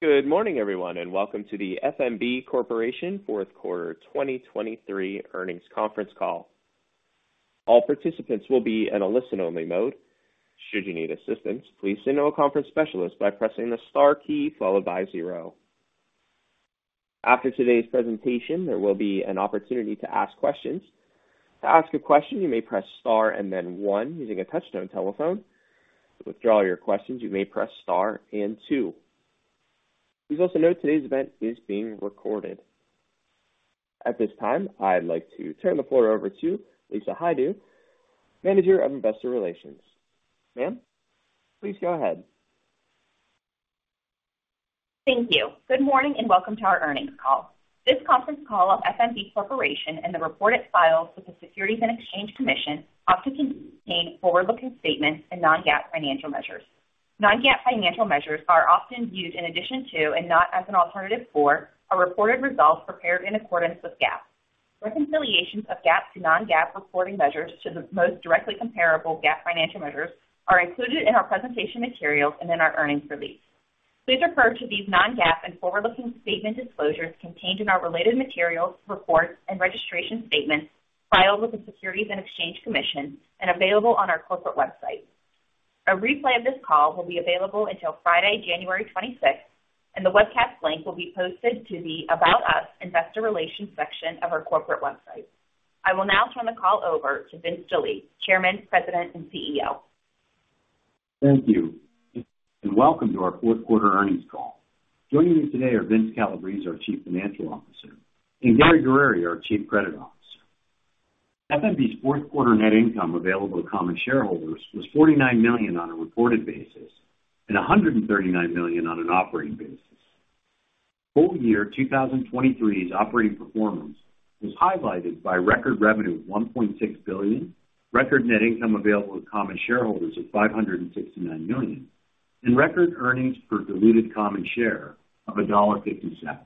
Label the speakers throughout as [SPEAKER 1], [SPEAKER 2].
[SPEAKER 1] Good morning, everyone, and welcome to the F.N.B. Corporation fourth quarter 2023 earnings conference call. All participants will be in a listen-only mode. Should you need assistance, please speak to a conference specialist by pressing the star key followed by zero. After today's presentation, there will be an opportunity to ask questions. To ask a question, you may press star and then one using a touchtone telephone. To withdraw your questions, you may press star and two. Please also note today's event is being recorded. At this time, I'd like to turn the floor over to Lisa Hajdu, Manager of Investor Relations. Ma'am, please go ahead.
[SPEAKER 2] Thank you. Good morning, and welcome to our earnings call. This conference call of F.N.B. Corporation and the reports filed with the Securities and Exchange Commission often contain forward-looking statements and non-GAAP financial measures. Non-GAAP financial measures are often used in addition to and not as an alternative for, our reported results prepared in accordance with GAAP. Reconciliations of GAAP to non-GAAP reporting measures to the most directly comparable GAAP financial measures are included in our presentation materials and in our earnings release. Please refer to these non-GAAP and forward-looking statement disclosures contained in our related materials, reports, and registration statements filed with the Securities and Exchange Commission and available on our corporate website. A replay of this call will be available until Friday, January 26th, and the webcast link will be posted to the About Us Investor Relations section of our corporate website. I will now turn the call over to Vince Delie, Chairman, President, and CEO.
[SPEAKER 3] Thank you, and welcome to our fourth quarter earnings call. Joining me today are Vince Calabrese, our Chief Financial Officer, and Gary Guerrieri, our Chief Credit Officer. FNB's fourth quarter net income available to common shareholders was $49 million on a reported basis and $139 million on an operating basis. Full-year 2023's operating performance was highlighted by record revenue of $1.6 billion, record net income available to common shareholders of $569 million, and record earnings per diluted common share of $1.50.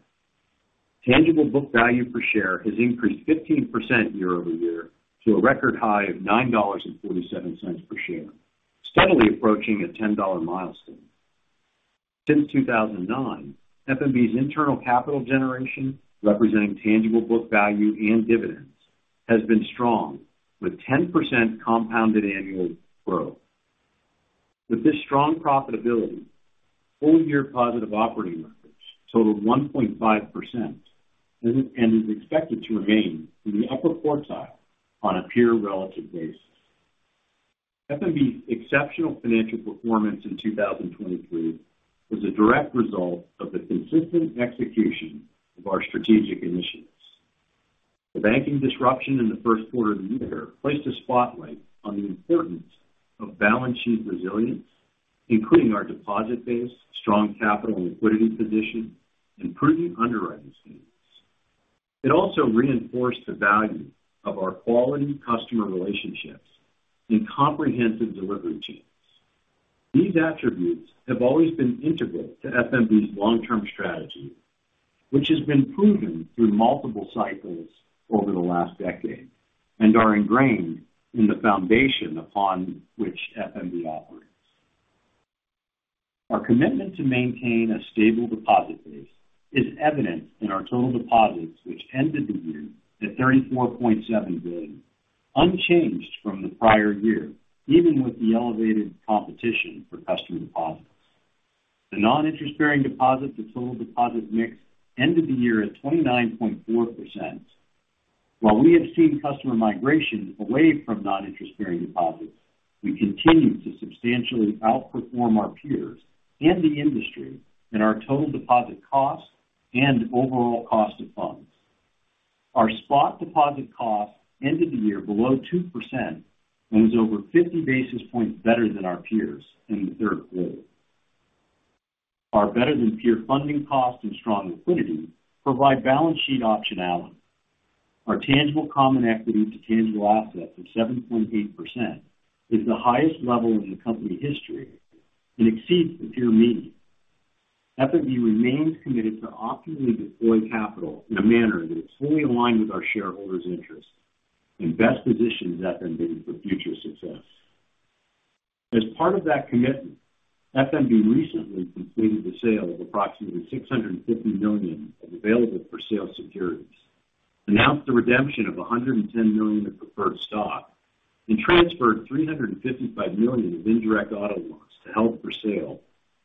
[SPEAKER 3] Tangible book value per share has increased 15% year-over-year to a record high of $9.47 per share, steadily approaching a $10 milestone. Since 2009, FNB's internal capital generation, representing tangible book value and dividends, has been strong, with 10% compounded annual growth. With this strong profitability, full-year positive operating margins totaled 1.5% and is expected to remain in the upper quartile on a peer relative basis. FNB's exceptional financial performance in 2023 was a direct result of the consistent execution of our strategic initiatives. The banking disruption in the first quarter of the year placed a spotlight on the importance of balance sheet resilience, including our deposit base, strong capital and liquidity position, improving underwriting standards. It also reinforced the value of our quality customer relationships and comprehensive delivery teams. These attributes have always been integral to FNB's long-term strategy, which has been proven through multiple cycles over the last decade and are ingrained in the foundation upon which FNB operates. Our commitment to maintain a stable deposit base is evident in our total deposits, which ended the year at $34.7 billion, unchanged from the prior year, even with the elevated competition for customer deposits. The non-interest-bearing deposits of total deposit mix ended the year at 29.4%. While we have seen customer migration away from non-interest-bearing deposits, we continue to substantially outperform our peers and the industry in our total deposit costs and overall cost of funds. Our spot deposit cost ended the year below 2% and was over 50 basis points better than our peers in the third quarter. Our better-than-peer funding costs and strong liquidity provide balance sheet optionality. Our tangible common equity to tangible assets of 7.8% is the highest level in the company history and exceeds the peer median. FNB remains committed to optimally deploy capital in a manner that is fully aligned with our shareholders' interests and best positions FNB for future success. As part of that commitment, FNB recently completed the sale of approximately $650 million of available-for-sale securities, announced the redemption of $110 million of preferred stock, and transferred $355 million of indirect auto loans to held for sale,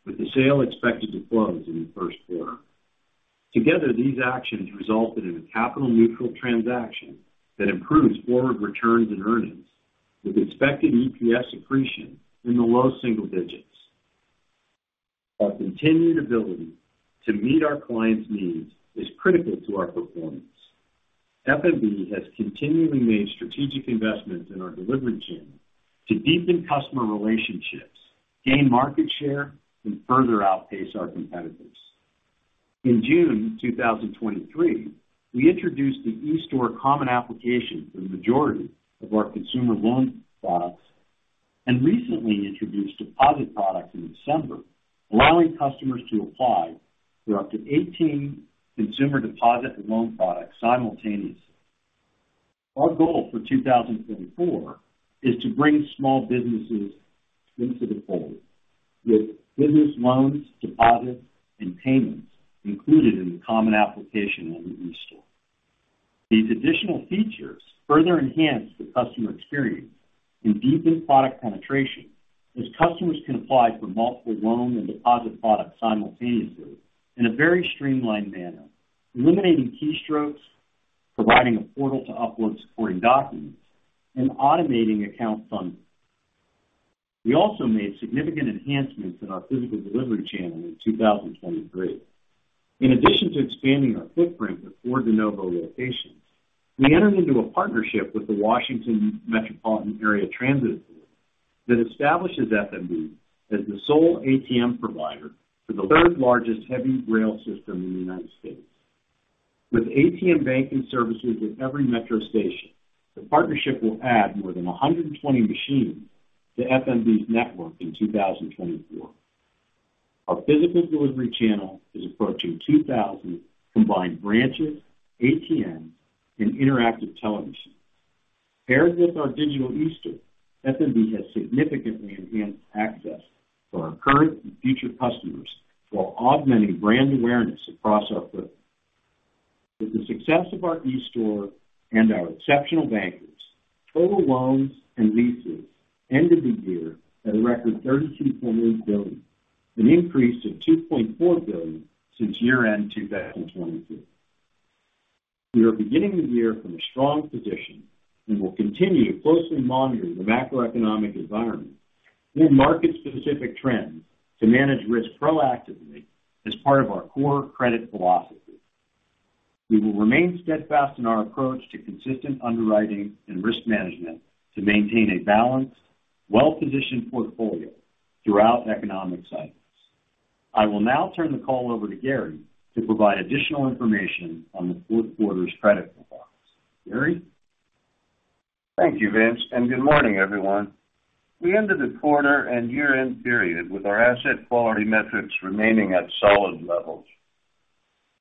[SPEAKER 3] with the sale expected to close in the first quarter. Together, these actions resulted in a capital-neutral transaction that improves forward returns and earnings, with expected EPS accretion in the low single digits. Our continued ability to meet our clients' needs is critical to our performance. FNB has continually made strategic investments in our delivery chain to deepen customer relationships, gain market share, and further outpace our competitors. In June 2023, we introduced the eStore Common Application for the majority of our consumer loan products, and recently introduced deposit products in December, allowing customers to apply for up to 18 consumer deposit and loan products simultaneously. Our goal for 2024 is to bring small businesses into the fold with business loans, deposits, and payments included in the Common Application on the eStore. These additional features further enhance the customer experience and deepen product penetration, as customers can apply for multiple loan and deposit products simultaneously in a very streamlined manner, eliminating keystrokes, providing a portal to upload supporting documents, and automating account funding. We also made significant enhancements in our physical delivery channel in 2023. In addition to expanding our footprint with four de novo locations, we entered into a partnership with the Washington Metropolitan Area Transit Authority that establishes FNB as the sole ATM provider for the third-largest heavy rail system in the United States. With ATM banking services at every Metro station, the partnership will add more than 120 machines to FNB's network in 2024. Our physical delivery channel is approaching 2,000 combined branches, ATMs, and Interactive Teller Machines. Paired with our digital eStore, FNB has significantly enhanced access for our current and future customers while augmenting brand awareness across our footprint. With the success of our eStore and our exceptional bankers, total loans and leases ended the year at a record $32.8 billion, an increase of $2.4 billion since year-end 2022. We are beginning the year from a strong position and will continue closely monitoring the macroeconomic environment with market-specific trends to manage risk proactively as part of our core credit philosophy. We will remain steadfast in our approach to consistent underwriting and risk management to maintain a balanced, well-positioned portfolio throughout economic cycles. I will now turn the call over to Gary to provide additional information on the fourth quarter's credit performance. Gary?
[SPEAKER 4] Thank you, Vince, and good morning, everyone. We ended the quarter and year-end period with our asset quality metrics remaining at solid levels.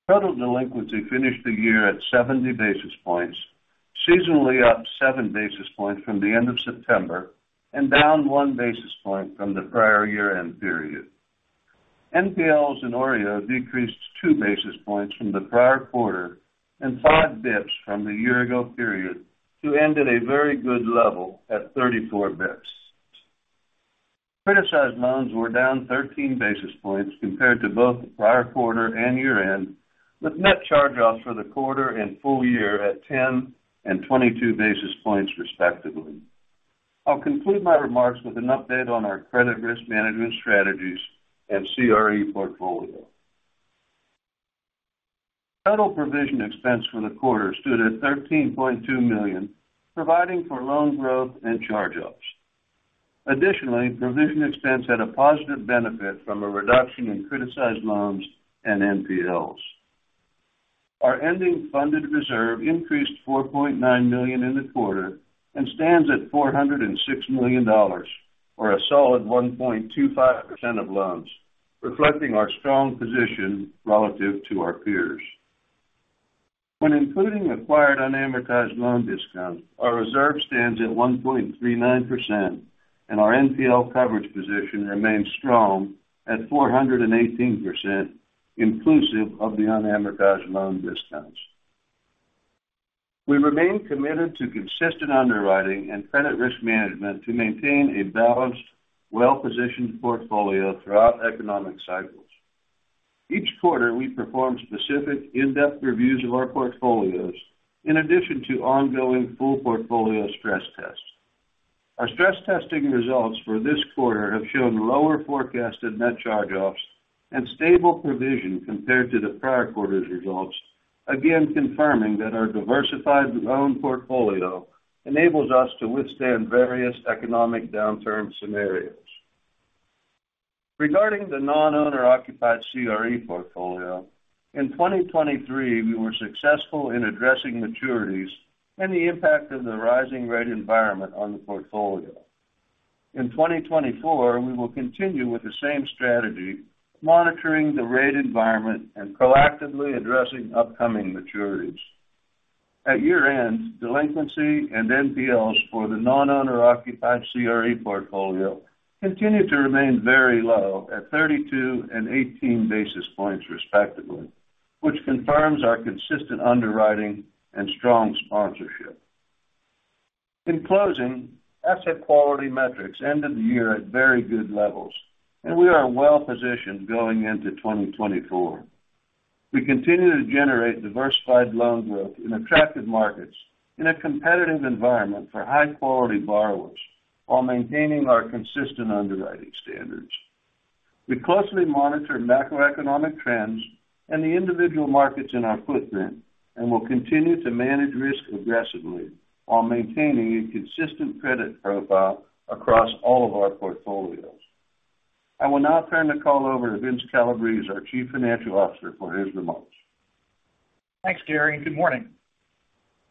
[SPEAKER 4] Total delinquency finished the year at 70 basis points, seasonally up 7 basis points from the end of September and down 1 basis point from the prior year-end period. NPLs and OREO decreased 2 basis points from the prior quarter and 5 basis points from the year ago period, to end at a very good level at 34 basis points. Criticized loans were down 13 basis points compared to both the prior quarter and year-end, with net charge-offs for the quarter and full year at 10 and 22 basis points, respectively. I'll conclude my remarks with an update on our credit risk management strategies and CRE portfolio. Total provision expense for the quarter stood at $13.2 million, providing for loan growth and charge-offs. Additionally, provision expense had a positive benefit from a reduction in criticized loans and NPLs. Our ending funded reserve increased $4.9 million in the quarter and stands at $406 million, or a solid 1.25% of loans, reflecting our strong position relative to our peers. When including acquired unamortized loan discount, our reserve stands at 1.39%, and our NPL coverage position remains strong at 418%, inclusive of the unamortized loan discounts. We remain committed to consistent underwriting and credit risk management to maintain a balanced, well-positioned portfolio throughout economic cycles. Each quarter, we perform specific in-depth reviews of our portfolios in addition to ongoing full portfolio stress tests. Our stress testing results for this quarter have shown lower forecasted net charge-offs and stable provision compared to the prior quarter's results, again, confirming that our diversified loan portfolio enables us to withstand various economic downturn scenarios. Regarding the non-owner-occupied CRE portfolio, in 2023, we were successful in addressing maturities and the impact of the rising rate environment on the portfolio. In 2024, we will continue with the same strategy, monitoring the rate environment and proactively addressing upcoming maturities. At year-end, delinquency and NPLs for the non-owner-occupied CRE portfolio continued to remain very low at 32 and 18 basis points, respectively, which confirms our consistent underwriting and strong sponsorship. In closing, asset quality metrics ended the year at very good levels, and we are well positioned going into 2024. We continue to generate diversified loan growth in attractive markets in a competitive environment for high-quality borrowers, while maintaining our consistent underwriting standards. We closely monitor macroeconomic trends and the individual markets in our footprint and will continue to manage risk aggressively while maintaining a consistent credit profile across all of our portfolios. I will now turn the call over to Vince Calabrese, our Chief Financial Officer, for his remarks.
[SPEAKER 5] Thanks, Gary, and good morning.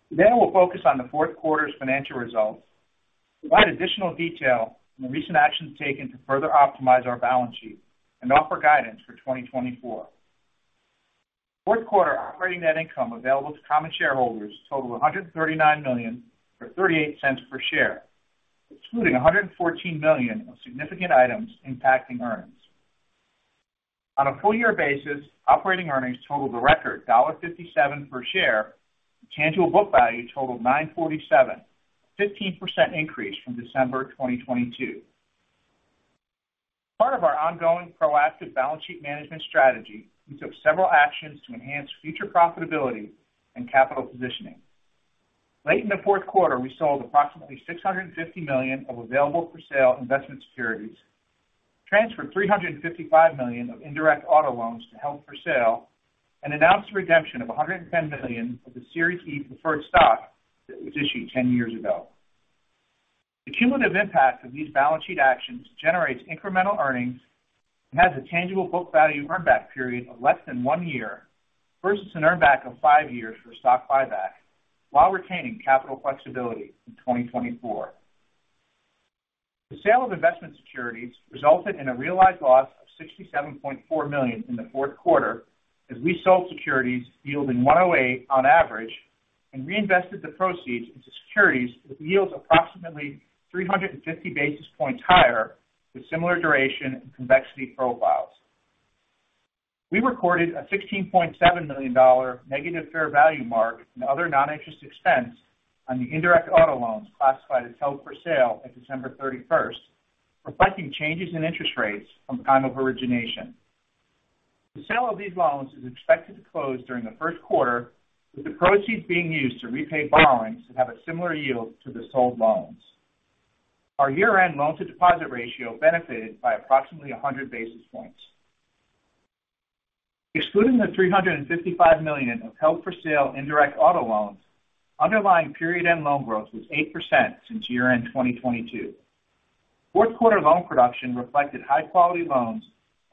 [SPEAKER 5] Today, I will focus on the fourth quarter's financial results, provide additional detail on the recent actions taken to further optimize our balance sheet, and offer guidance for 2024. Fourth quarter operating net income available to common shareholders totaled $139 million, or $0.38 per share, excluding $114 million of significant items impacting earnings. On a full year basis, operating earnings totaled a record $1.57 per share, and tangible book value totaled $947, a 15% increase from December 2022. Part of our ongoing proactive balance sheet management strategy, we took several actions to enhance future profitability and capital positioning. Late in the fourth quarter, we sold approximately $650 million of available-for-sale investment securities, transferred $355 million of indirect auto loans to held for sale, and announced the redemption of $110 million of the Series E preferred stock that was issued 10 years ago. The cumulative impact of these balance sheet actions generates incremental earnings and has a tangible book value earn back period of less than one year versus an earn back of five years for a stock buyback, while retaining capital flexibility in 2024. The sale of investment securities resulted in a realized loss of $67.4 million in the fourth quarter, as we sold securities yielding 1.08 on average, and reinvested the proceeds into securities with yields approximately 350 basis points higher, with similar duration and convexity profiles. We recorded a $16.7 million negative fair value mark and other non-interest expense on the indirect auto loans classified as held for sale at December 31st, reflecting changes in interest rates from the time of origination. The sale of these loans is expected to close during the first quarter, with the proceeds being used to repay loans that have a similar yield to the sold loans. Our year-end loan-to-deposit ratio benefited by approximately 100 basis points. Excluding the $355 million of held for sale indirect auto loans, underlying period-end loan growth was 8% since year-end 2022. Fourth quarter loan production reflected high-quality loans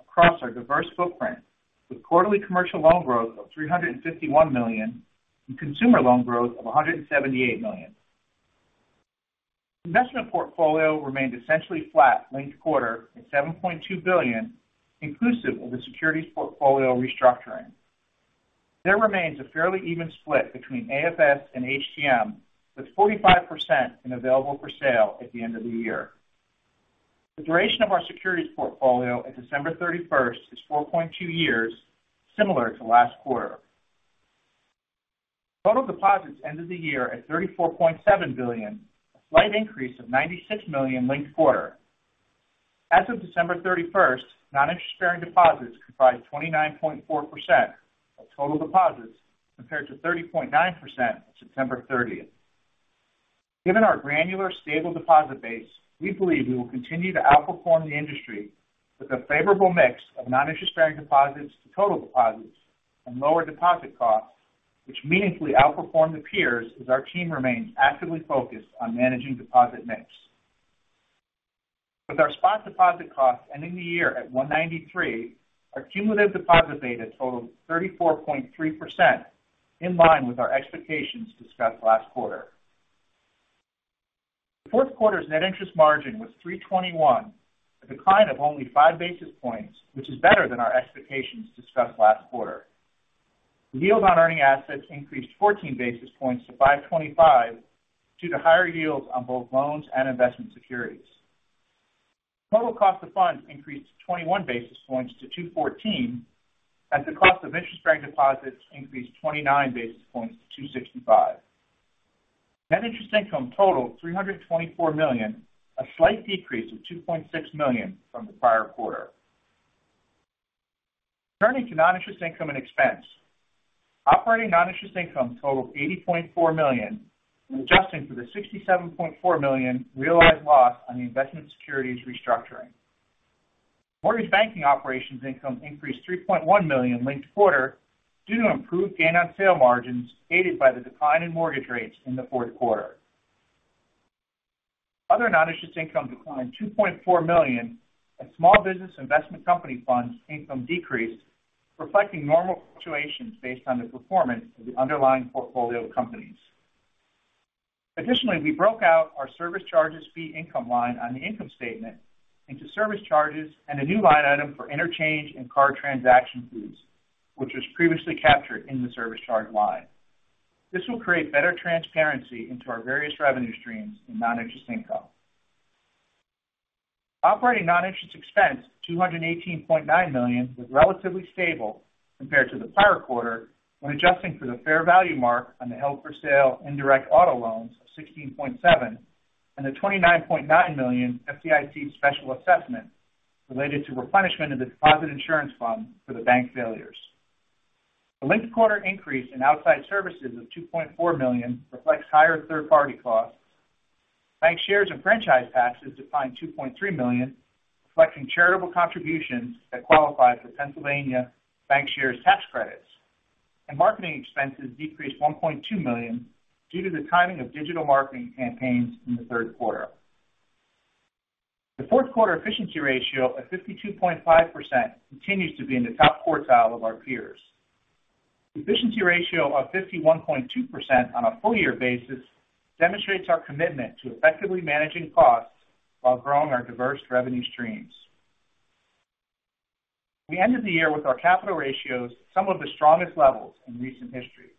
[SPEAKER 5] across our diverse footprint, with quarterly commercial loan growth of $351 million and consumer loan growth of $178 million. Investment portfolio remained essentially flat linked quarter at $7.2 billion, inclusive of the securities portfolio restructuring. There remains a fairly even split between AFS and HTM, with 45% in available for sale at the end of the year. The duration of our securities portfolio at December 31st is 4.2 years, similar to last quarter. Total deposits ended the year at $34.7 billion, a slight increase of $96 million linked quarter. As of December 31st, non-interest-bearing deposits comprised 29.4% of total deposits, compared to 30.9% on September 30th. Given our granular, stable deposit base, we believe we will continue to outperform the industry with a favorable mix of non-interest-bearing deposits to total deposits and lower deposit costs, which meaningfully outperform the peers, as our team remains actively focused on managing deposit mix. With our spot deposit costs ending the year at 1.93, our cumulative deposit beta totaled 34.3%, in line with our expectations discussed last quarter. The fourth quarter's net interest margin was 3.21%, a decline of only 5 basis points, which is better than our expectations discussed last quarter. The yield on earning assets increased 14 basis points to 5.25%, due to higher yields on both loans and investment securities. Total cost of funds increased 21 basis points to 2.14%, as the cost of interest-bearing deposits increased 29 basis points to 2.65%. Net interest income totaled $324 million, a slight decrease of $2.6 million from the prior quarter. Turning to non-interest income and expense. Operating non-interest income totaled $80.4 million, adjusting for the $67.4 million realized loss on the investment securities restructuring. Mortgage banking operations income increased $3.1 million linked quarter due to improved gain on sale margins, aided by the decline in mortgage rates in the fourth quarter. Other non-interest income declined $2.4 million, as Small Business Investment Company funds income decreased, reflecting normal fluctuations based on the performance of the underlying portfolio of companies. Additionally, we broke out our service charges fee income line on the income statement into service charges and a new line item for interchange and card transaction fees, which was previously captured in the service charge line. This will create better transparency into our various revenue streams in non-interest income. Operating non-interest expense of $218.9 million was relatively stable compared to the prior quarter, when adjusting for the fair value mark on the held for sale indirect auto loans of $16.7 million and the $29.9 million FDIC special assessment related to replenishment of the Deposit Insurance Fund for the bank failures. The linked quarter increase in outside services of $2.4 million reflects higher third-party costs. Bank shares and franchise taxes declined $2.3 million, reflecting charitable contributions that qualify for Pennsylvania Bank Shares Tax credits. Marketing expenses decreased $1.2 million due to the timing of digital marketing campaigns in the third quarter. The fourth quarter efficiency ratio of 52.5% continues to be in the top quartile of our peers. Efficiency ratio of 51.2% on a full year basis demonstrates our commitment to effectively managing costs while growing our diverse revenue streams. We ended the year with our capital ratios at some of the strongest levels in recent history.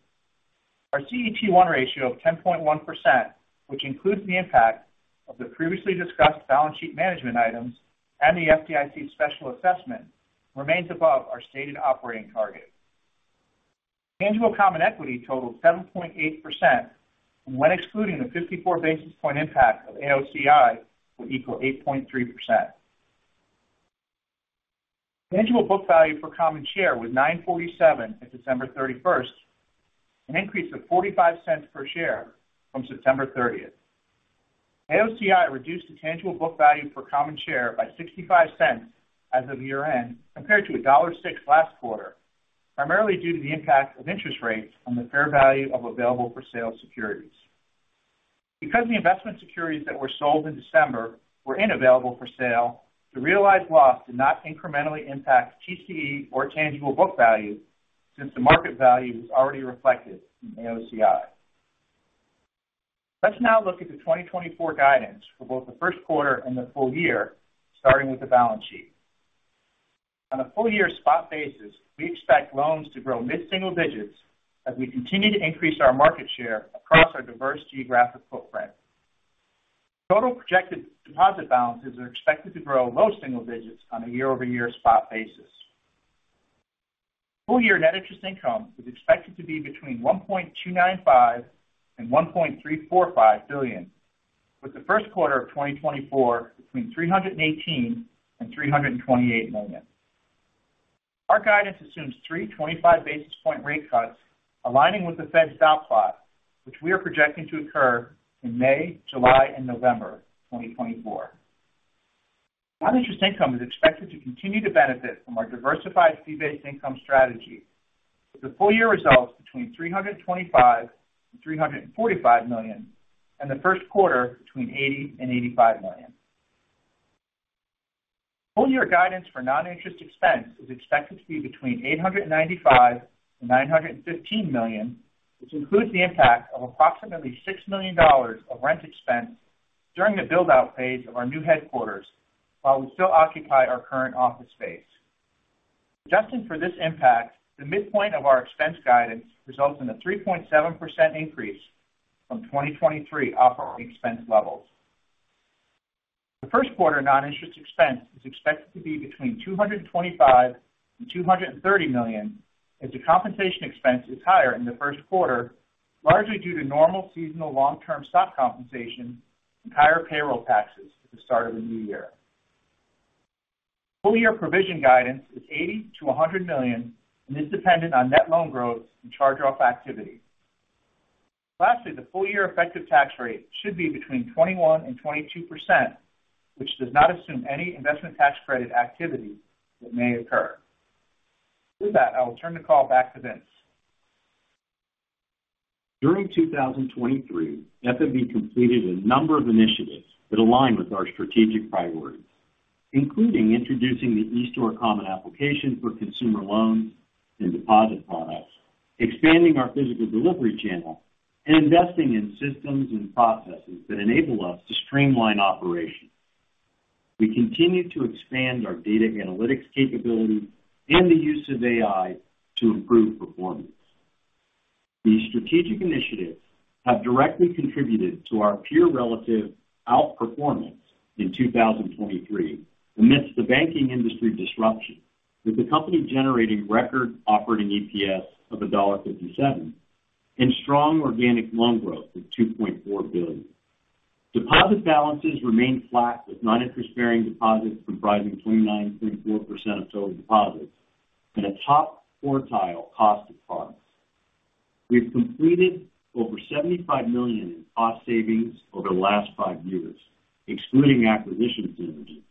[SPEAKER 5] Our CET1 ratio of 10.1%, which includes the impact of the previously discussed balance sheet management items and the FDIC special assessment, remains above our stated operating target. Tangible common equity totaled 7.8%, and when excluding the 54 basis point impact of AOCI, would equal 8.3%. Tangible book value per common share was $9.47 at December 31st, an increase of $0.45 per share from September 30th. AOCI reduced the tangible book value per common share by $0.65 as of year-end, compared to $1.06 last quarter, primarily due to the impact of interest rates on the fair value of available-for-sale securities. Because the investment securities that were sold in December were available-for-sale, the realized loss did not incrementally impact TCE or tangible book value, since the market value was already reflected in AOCI. Let's now look at the 2024 guidance for both the first quarter and the full year, starting with the balance sheet. On a full year spot basis, we expect loans to grow mid-single digits as we continue to increase our market share across our diverse geographic footprint. Total projected deposit balances are expected to grow low single digits on a year-over-year spot basis. Full year net interest income is expected to be between $1.295 billion and $1.345 billion, with the first quarter of 2024 between $318 million and $328 million. Our guidance assumes three 25 basis point rate cuts aligning with the Fed dot plot, which we are projecting to occur in May, July, and November 2024. Non-interest income is expected to continue to benefit from our diversified fee-based income strategy, with the full year results between $325 million and $345 million, and the first quarter between $80 million and $85 million. Full year guidance for non-interest expense is expected to be between $895 million-$915 million, which includes the impact of approximately $6 million of rent expense during the build-out phase of our new headquarters, while we still occupy our current office space. Adjusting for this impact, the midpoint of our expense guidance results in a 3.7% increase from 2023 operating expense levels. The first quarter non-interest expense is expected to be between $225 million-$230 million, as the compensation expense is higher in the first quarter, largely due to normal seasonal long-term stock compensation and higher payroll taxes at the start of the new year. Full year provision guidance is $80 million-$100 million, and is dependent on net loan growth and charge-off activity. Lastly, the full year effective tax rate should be between 21% and 22%, which does not assume any investment tax credit activity that may occur. With that, I will turn the call back to Vince.
[SPEAKER 3] During 2023, FNB completed a number of initiatives that align with our strategic priorities, including introducing the eStore Common Application for consumer loans and deposit products, expanding our physical delivery channel, and investing in systems and processes that enable us to streamline operations. We continue to expand our data analytics capabilities and the use of AI to improve performance. These strategic initiatives have directly contributed to our peer relative outperformance in 2023, amidst the banking industry disruption, with the company generating record operating EPS of $1.57 and strong organic loan growth of $2.4 billion. Deposit balances remained flat, with non-interest-bearing deposits comprising 29.4% of total deposits and a top quartile cost of funds. We've completed over $75 million in cost savings over the last 5 years, excluding acquisition synergy,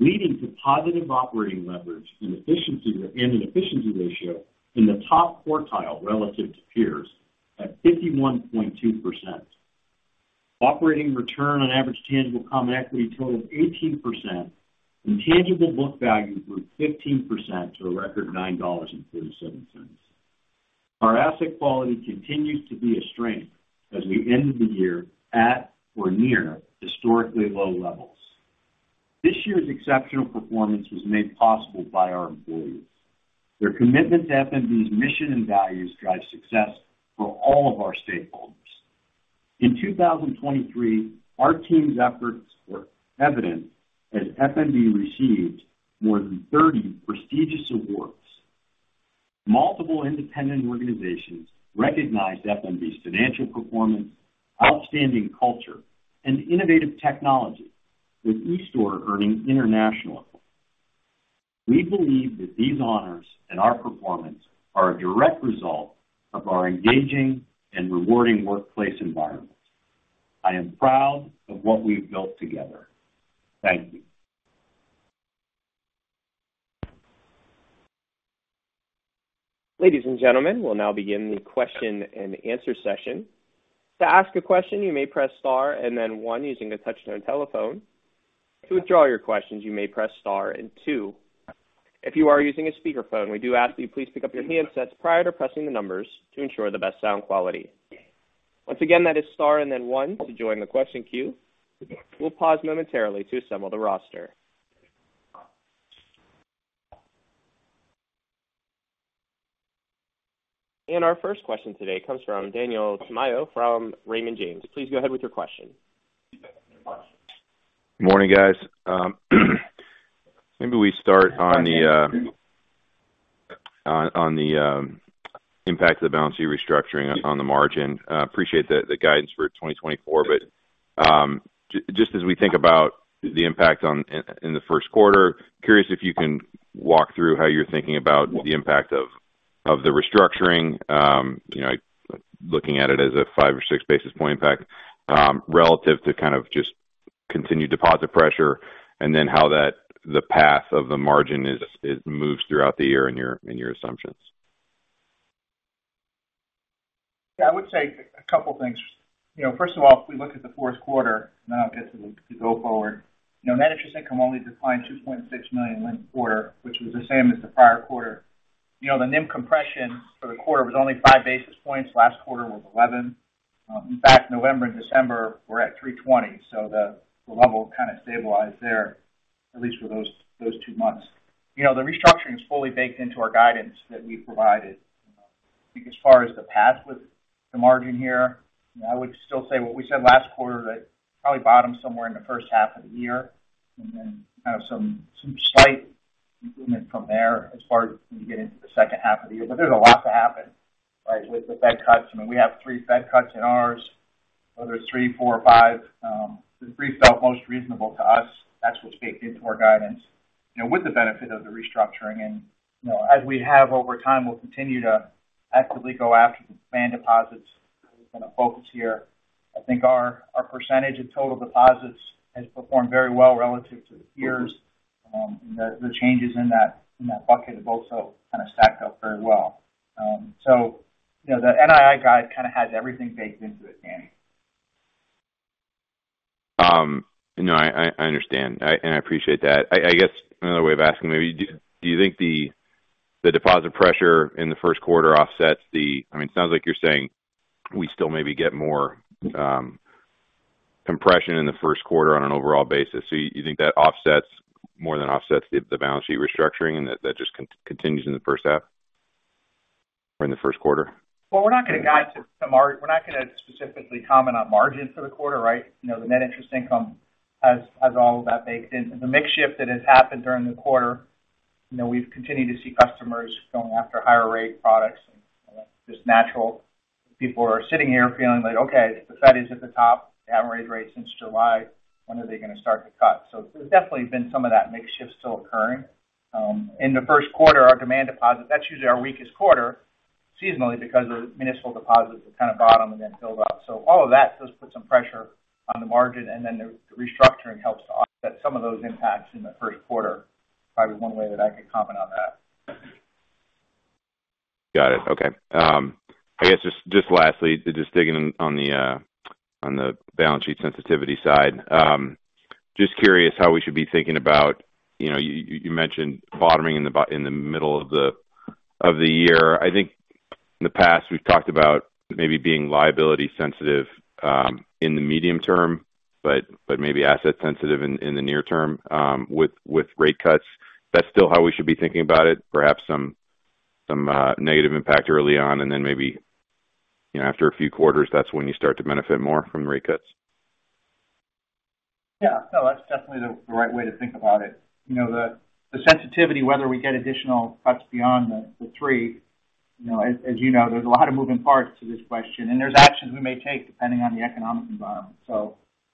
[SPEAKER 3] leading to positive operating leverage and efficiency, and an efficiency ratio in the top quartile relative to peers at 51.2%. Operating return on average tangible common equity totaled 18%, and tangible book value grew 15% to a record $9.47. Our asset quality continues to be a strength as we end the year at or near historically low levels. This year's exceptional performance was made possible by our employees. Their commitment to FNB's mission and values drives success for all of our stakeholders. In 2023, our team's efforts were evident as FNB received more than 30 prestigious awards. Multiple independent organizations recognized FNB's financial performance, outstanding culture, and innovative technology, with eStore earning international awards. We believe that these honors and our performance are a direct result of our engaging and rewarding workplace environment. I am proud of what we've built together. Thank you.
[SPEAKER 1] Ladies and gentlemen, we'll now begin the question-and-answer session. To ask a question, you may press star and then one using the touch-tone telephone. To withdraw your questions, you may press star and two. If you are using a speakerphone, we do ask that you please pick up your handsets prior to pressing the numbers to ensure the best sound quality. Once again, that is star and then one to join the question queue. We'll pause momentarily to assemble the roster. Our first question today comes from Daniel Tamayo from Raymond James. Please go ahead with your question.
[SPEAKER 6] Morning, guys. Maybe we start on the impact of the balance sheet restructuring on the margin. I appreciate the guidance for 2024, but just as we think about the impact in the first quarter, curious if you can walk through how you're thinking about the impact of the restructuring, you know, looking at it as a 5 or 6 basis point impact, relative to kind of just continued deposit pressure, and then how the path of the margin moves throughout the year in your assumptions.
[SPEAKER 5] Yeah, I would say a couple things. You know, first of all, if we look at the fourth quarter and obviously to go forward, you know, net interest income only declined $2.6 million in the quarter, which was the same as the prior quarter. You know, the NIM compression for the quarter was only 5 basis points. Last quarter was 11. In fact, November and December were at 3.20, so the level kind of stabilized there, at least for those two months. You know, the restructuring is fully baked into our guidance that we provided. I think as far as the path with the margin here, I would still say what we said last quarter, that probably bottom somewhere in the first half of the year and then have some slight improvement from there as far as when you get into the second half of the year. But there's a lot to happen, right, with the Fed cuts. I mean, we have three Fed cuts in ours, whether it's three, four, or five, the three felt most reasonable to us. That's what's baked into our guidance, you know, with the benefit of the restructuring. And, you know, as we have over time, we'll continue to actively go after the demand deposits. We're going to focus here. I think our percentage of total deposits has performed very well relative to the peers, and the changes in that bucket have also kind of stacked up very well. So, you know, the NII guide kind of has everything baked into it, Danny.
[SPEAKER 6] No, I understand, and I appreciate that. I guess another way of asking, maybe, do you think the deposit pressure in the first quarter offsets the—I mean, it sounds like you're saying we still maybe get more compression in the first quarter on an overall basis. So you think that offsets, more than offsets the balance sheet restructuring and that just continues in the first half or in the first quarter?
[SPEAKER 5] Well, we're not going to guide to margins—we're not going to specifically comment on margins for the quarter, right? You know, the net interest income has all of that baked in. The mix shift that has happened during the quarter, you know, we've continued to see customers going after higher rate products, and that's just natural. People are sitting here feeling like, okay, the Fed is at the top. They haven't raised rates since July. When are they going to start to cut? So there's definitely been some of that mix shift still occurring. In the first quarter, our demand deposit, that's usually our weakest quarter seasonally because the municipal deposits kind of bottom and then build out. So all of that does put some pressure on the margin, and then the restructuring helps to offset some of those impacts in the first quarter. Probably one way that I could comment on that.
[SPEAKER 6] Got it. Okay. I guess just, just lastly, just digging in on the balance sheet sensitivity side. Just curious how we should be thinking about, you know, you, you mentioned bottoming in the middle of the year. I think in the past, we've talked about maybe being liability sensitive in the medium term, but, but maybe asset sensitive in the near term with rate cuts. That's still how we should be thinking about it? Perhaps some, some negative impact early on, and then maybe, you know, after a few quarters, that's when you start to benefit more from the rate cuts.
[SPEAKER 5] Yeah. No, that's definitely the right way to think about it. You know, the sensitivity, whether we get additional cuts beyond the three, you know, as you know, there's a lot of moving parts to this question, and there's actions we may take depending on the economic environment.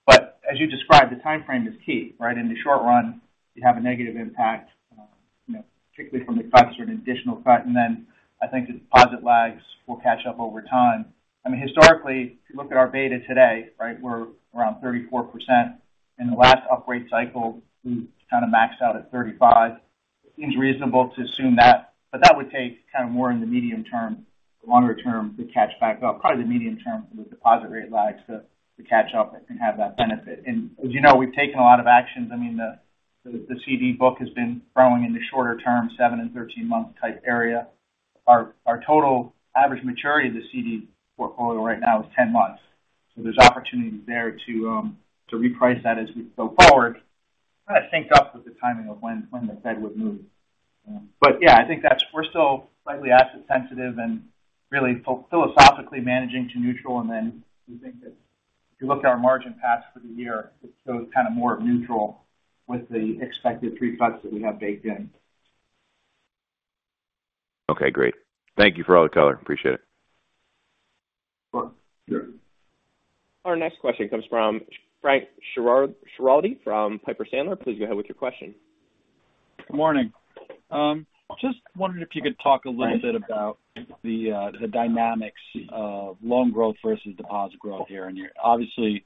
[SPEAKER 5] But as you described, the time frame is key, right? In the short run, you have a negative impact, you know, particularly from the cuts or an additional cut, and then I think the deposit lags will catch up over time. I mean, historically, if you look at our beta today, right, we're around 34%. In the last upgrade cycle, we kind of maxed out at 35. It seems reasonable to assume that, but that would take kind of more in the medium term, the longer term, to catch back up. Probably the medium term for the deposit rate lags to catch up and have that benefit. And as you know, we've taken a lot of actions. I mean, the CD book has been growing in the shorter term, 7- and 13-month type area. Our total average maturity of the CD portfolio right now is 10 months. So there's opportunities there to reprice that as we go forward, kind of sync up with the timing of when the Fed would move. But yeah, I think that's. We're still slightly asset sensitive and really philosophically managing to neutral, and then we think that if you look at our margin paths for the year, it goes kind of more neutral with the expected 3 cuts that we have baked in.
[SPEAKER 6] Okay, great. Thank you for all the color. Appreciate it.
[SPEAKER 5] Sure.
[SPEAKER 1] Our next question comes from Frank Schiraldi from Piper Sandler. Please go ahead with your question.
[SPEAKER 7] Good morning. Just wondering if you could talk a little bit about the dynamics of loan growth versus deposit growth here. And you're obviously,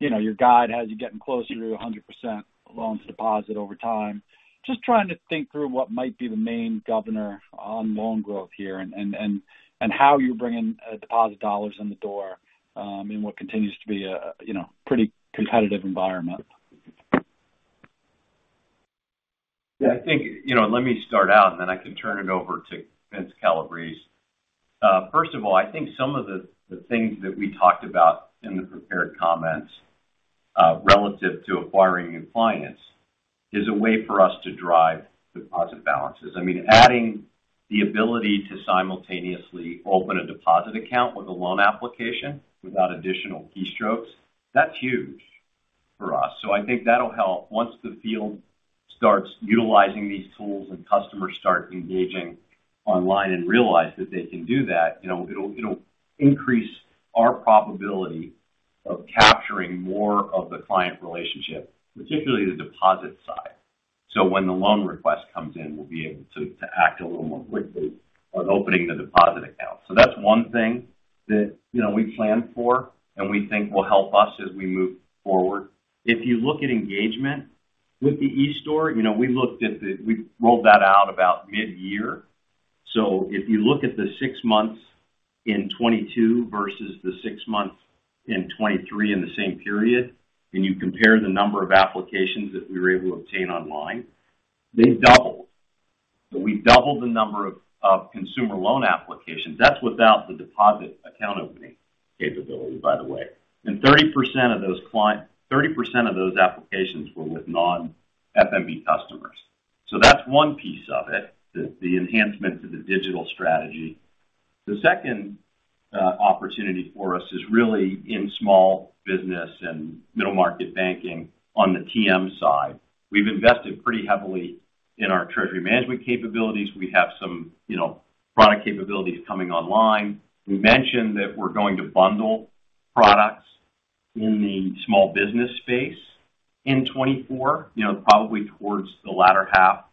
[SPEAKER 7] you know, your guide has you getting closer to 100% loans deposit over time. Just trying to think through what might be the main governor on loan growth here and how you're bringing deposit dollars in the door in what continues to be a, you know, pretty competitive environment?
[SPEAKER 3] Yeah, I think, you know, let me start out, and then I can turn it over to Vince Calabrese. First of all, I think some of the things that we talked about in the prepared comments relative to acquiring new clients is a way for us to drive deposit balances. I mean, adding the ability to simultaneously open a deposit account with a loan application without additional keystrokes, that's huge for us. So I think that'll help. Once the field starts utilizing these tools and customers start engaging online and realize that they can do that, you know, it'll increase our probability of capturing more of the client relationship, particularly the deposit side. So when the loan request comes in, we'll be able to act a little more quickly on opening the deposit account. So that's one thing that, you know, we plan for and we think will help us as we move forward. If you look at engagement with the eStore, you know, we looked at the, we rolled that out about mid-year. So if you look at the six months in 2022 versus the six months in 2023 in the same period, and you compare the number of applications that we were able to obtain online, they doubled. So we doubled the number of, of consumer loan applications. That's without the deposit account opening capability, by the way. And 30% of those applications were with non-FNB customers. So that's one piece of it, the enhancement to the digital strategy. The second opportunity for us is really in small business and middle market banking on the TM side. We've invested pretty heavily in our treasury management capabilities. We have some, you know, product capabilities coming online. We mentioned that we're going to bundle products in the small business space in 2024. You know, probably towards the latter half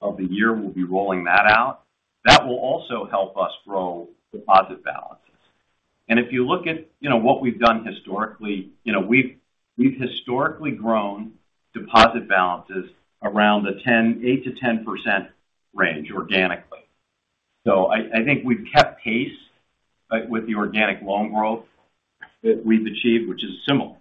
[SPEAKER 3] of the year, we'll be rolling that out. That will also help us grow deposit balances. And if you look at, you know, what we've done historically, you know, we've historically grown deposit balances around the 8%-10% range organically. So I think we've kept pace with the organic loan growth that we've achieved, which is similar,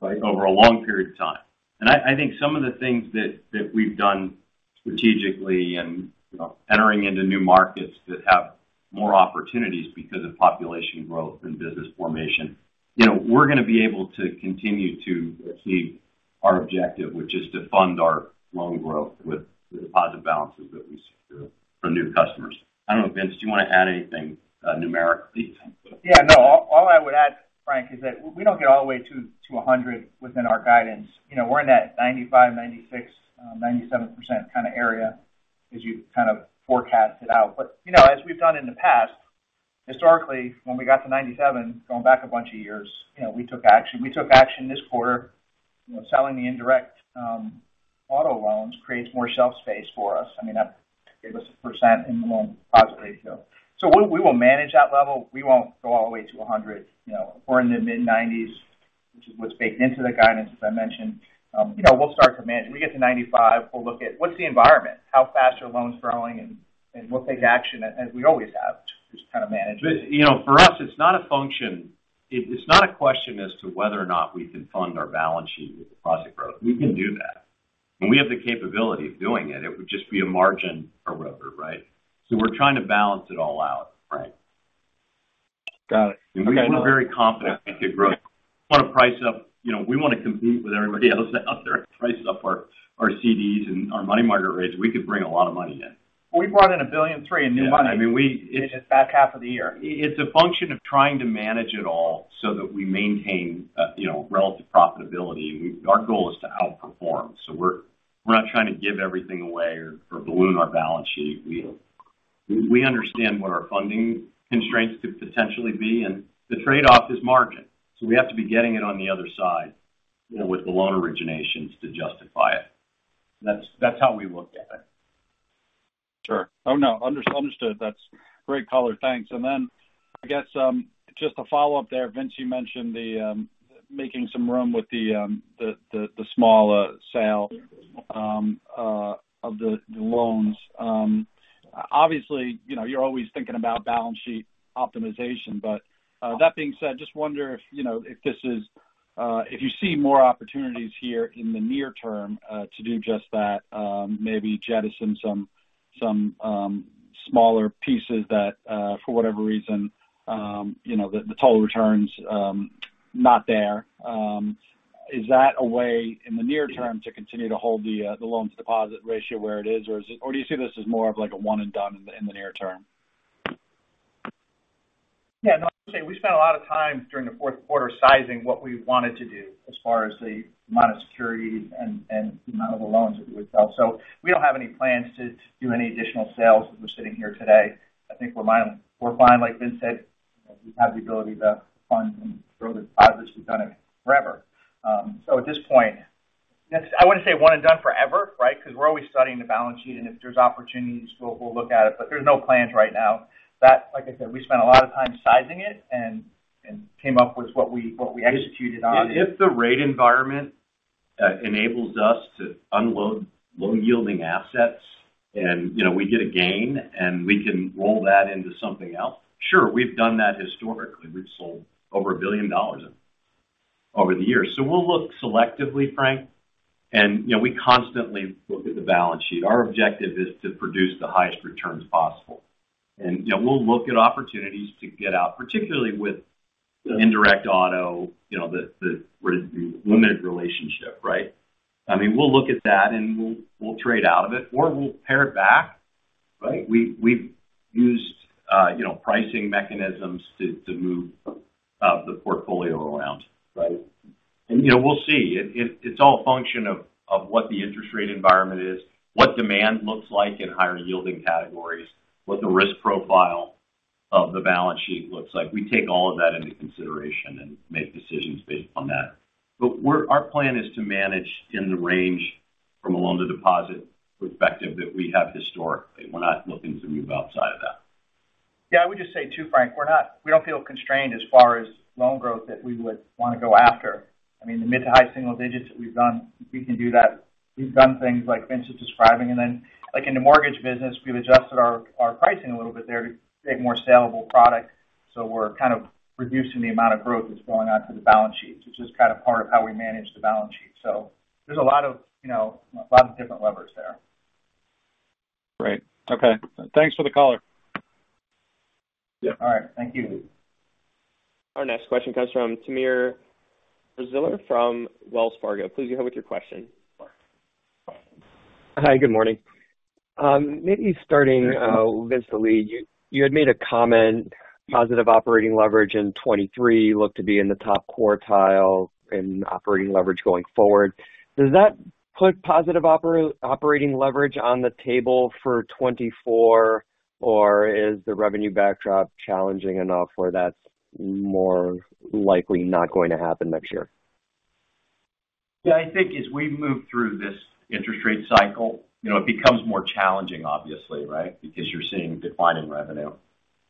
[SPEAKER 3] right, over a long period of time. And I think some of the things that we've done strategically and, you know, entering into new markets that have more opportunities because of population growth and business formation, you know, we're going to be able to continue to achieve our objective, which is to fund our loan growth with the deposit balances that we secure from new customers. I don't know, Vince, do you want to add anything, numerically?
[SPEAKER 5] Yeah, no, all, all I would add, Frank, is that we don't get all the way to 100% within our guidance. You know, we're in that 95%, 96%, 97% kind of area as you kind of forecast it out. But, you know, as we've done in the past, historically, when we got to 97%, going back a bunch of years, you know, we took action. We took action this quarter. You know, selling the indirect auto loans creates more shelf space for us. I mean, that gave us 1% in the loan deposit ratio. So we, we will manage that level. We won't go all the way to 100%. You know, we're in the mid-90s, which is what's baked into the guidance, as I mentioned. You know, we'll start to manage. We get to 95%, we'll look at what's the environment, how fast are loans growing, and we'll take action, as we always have, to just kind of manage it.
[SPEAKER 3] But, you know, for us, it's not a function... it's not a question as to whether or not we can fund our balance sheet with deposit growth. We can do that, and we have the capability of doing it. It would just be a margin forever, right? So we're trying to balance it all out, right?
[SPEAKER 7] Got it.
[SPEAKER 3] We feel very confident we could grow. If we want to price up, you know, we want to compete with everybody else out there, price up our CDs and our money market rates, we could bring a lot of money in.
[SPEAKER 5] We brought in $1.003 billion in new money-
[SPEAKER 3] Yeah, I mean, we-
[SPEAKER 5] in the back half of the year.
[SPEAKER 3] It's a function of trying to manage it all so that we maintain, you know, relative profitability. Our goal is to outperform, so we're, we're not trying to give everything away or, or balloon our balance sheet. We, we understand what our funding constraints could potentially be, and the trade-off is margin, so we have to be getting it on the other side, you know, with the loan originations to justify it. That's, that's how we look at it.
[SPEAKER 7] Sure. Oh, no, understood. That's great color. Thanks. And then, I guess, just a follow-up there, Vince. You mentioned making some room with the small sale of the loans. Obviously, you know, you're always thinking about balance sheet optimization. But, that being said, just wonder if, you know, if this is... If you see more opportunities here in the near term to do just that, maybe jettison some smaller pieces that, for whatever reason, you know, the total return's not there. Is that a way in the near term to continue to hold the loans deposit ratio where it is, or is it-- or do you see this as more of like a one and done in the near term?
[SPEAKER 5] Yeah, no, I'd say we spent a lot of time during the fourth quarter sizing what we wanted to do as far as the amount of securities and the amount of the loans that we would sell. So we don't have any plans to do any additional sales as we're sitting here today. I think we're fine. We're fine, like Vince said, we have the ability to fund and grow the deposits. We've done it forever. So at this point, that's. I wouldn't say one and done forever, right? Because we're always studying the balance sheet, and if there's opportunities, we'll look at it, but there's no plans right now. That, like I said, we spent a lot of time sizing it and came up with what we executed on.
[SPEAKER 3] If the rate environment enables us to unload low-yielding assets and, you know, we get a gain, and we can roll that into something else, sure, we've done that historically. We've sold over $1 billion over the years. So we'll look selectively, Frank, and, you know, we constantly look at the balance sheet. Our objective is to produce the highest returns possible. And, you know, we'll look at opportunities to get out, particularly with indirect auto, you know, the limited relationship, right? I mean, we'll look at that, and we'll trade out of it or we'll pare it back, right? We've used, you know, pricing mechanisms to move the portfolio around, right? And, you know, we'll see. It's all a function of what the interest rate environment is, what demand looks like in higher-yielding categories, what the risk profile of the balance sheet looks like. We take all of that into consideration and make decisions based on that. But our plan is to manage in the range from a loan-to-deposit perspective that we have historically. We're not looking to move outside of that.
[SPEAKER 5] Yeah, I would just say, too, Frank, we're not—we don't feel constrained as far as loan growth that we would want to go after. I mean, the mid to high single digits that we've done, we can do that. We've done things like Vince is describing, and then, like in the mortgage business, we've adjusted our, our pricing a little bit there to create more saleable product. So we're kind of reducing the amount of growth that's going out to the balance sheet, which is kind of part of how we manage the balance sheet. So there's a lot of, you know, a lot of different levers there.
[SPEAKER 7] Great. Okay. Thanks for the color.
[SPEAKER 3] Yeah.
[SPEAKER 5] All right. Thank you.
[SPEAKER 1] Our next question comes from Timur Braziler from Wells Fargo. Please go ahead with your question.
[SPEAKER 8] Hi, good morning. Maybe starting, Vince Delie, you, you had made a comment, positive operating leverage in 2023 looked to be in the top quartile in operating leverage going forward. Does that put positive operating leverage on the table for 2024, or is the revenue backdrop challenging enough where that's more likely not going to happen next year?
[SPEAKER 3] Yeah, I think as we move through this interest rate cycle, you know, it becomes more challenging, obviously, right? Because you're seeing a decline in revenue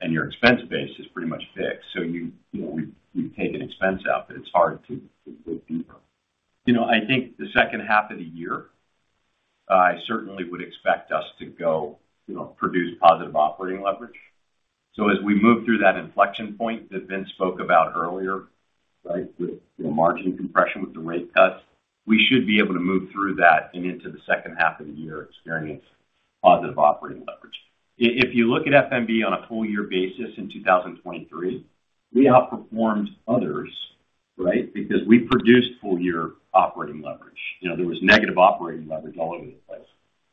[SPEAKER 3] and your expense base is pretty much fixed, so you, you know, we've taken expense out, but it's hard to go deeper. You know, I think the second half of the year, I certainly would expect us to go, you know, produce positive operating leverage. So as we move through that inflection point that Vince spoke about earlier, right, with the margin compression, with the rate cuts, we should be able to move through that and into the second half of the year, experience positive operating leverage. If you look at FNB on a full year basis in 2023, we outperformed others, right? Because we produced full-year operating leverage. You know, there was negative operating leverage all over the place,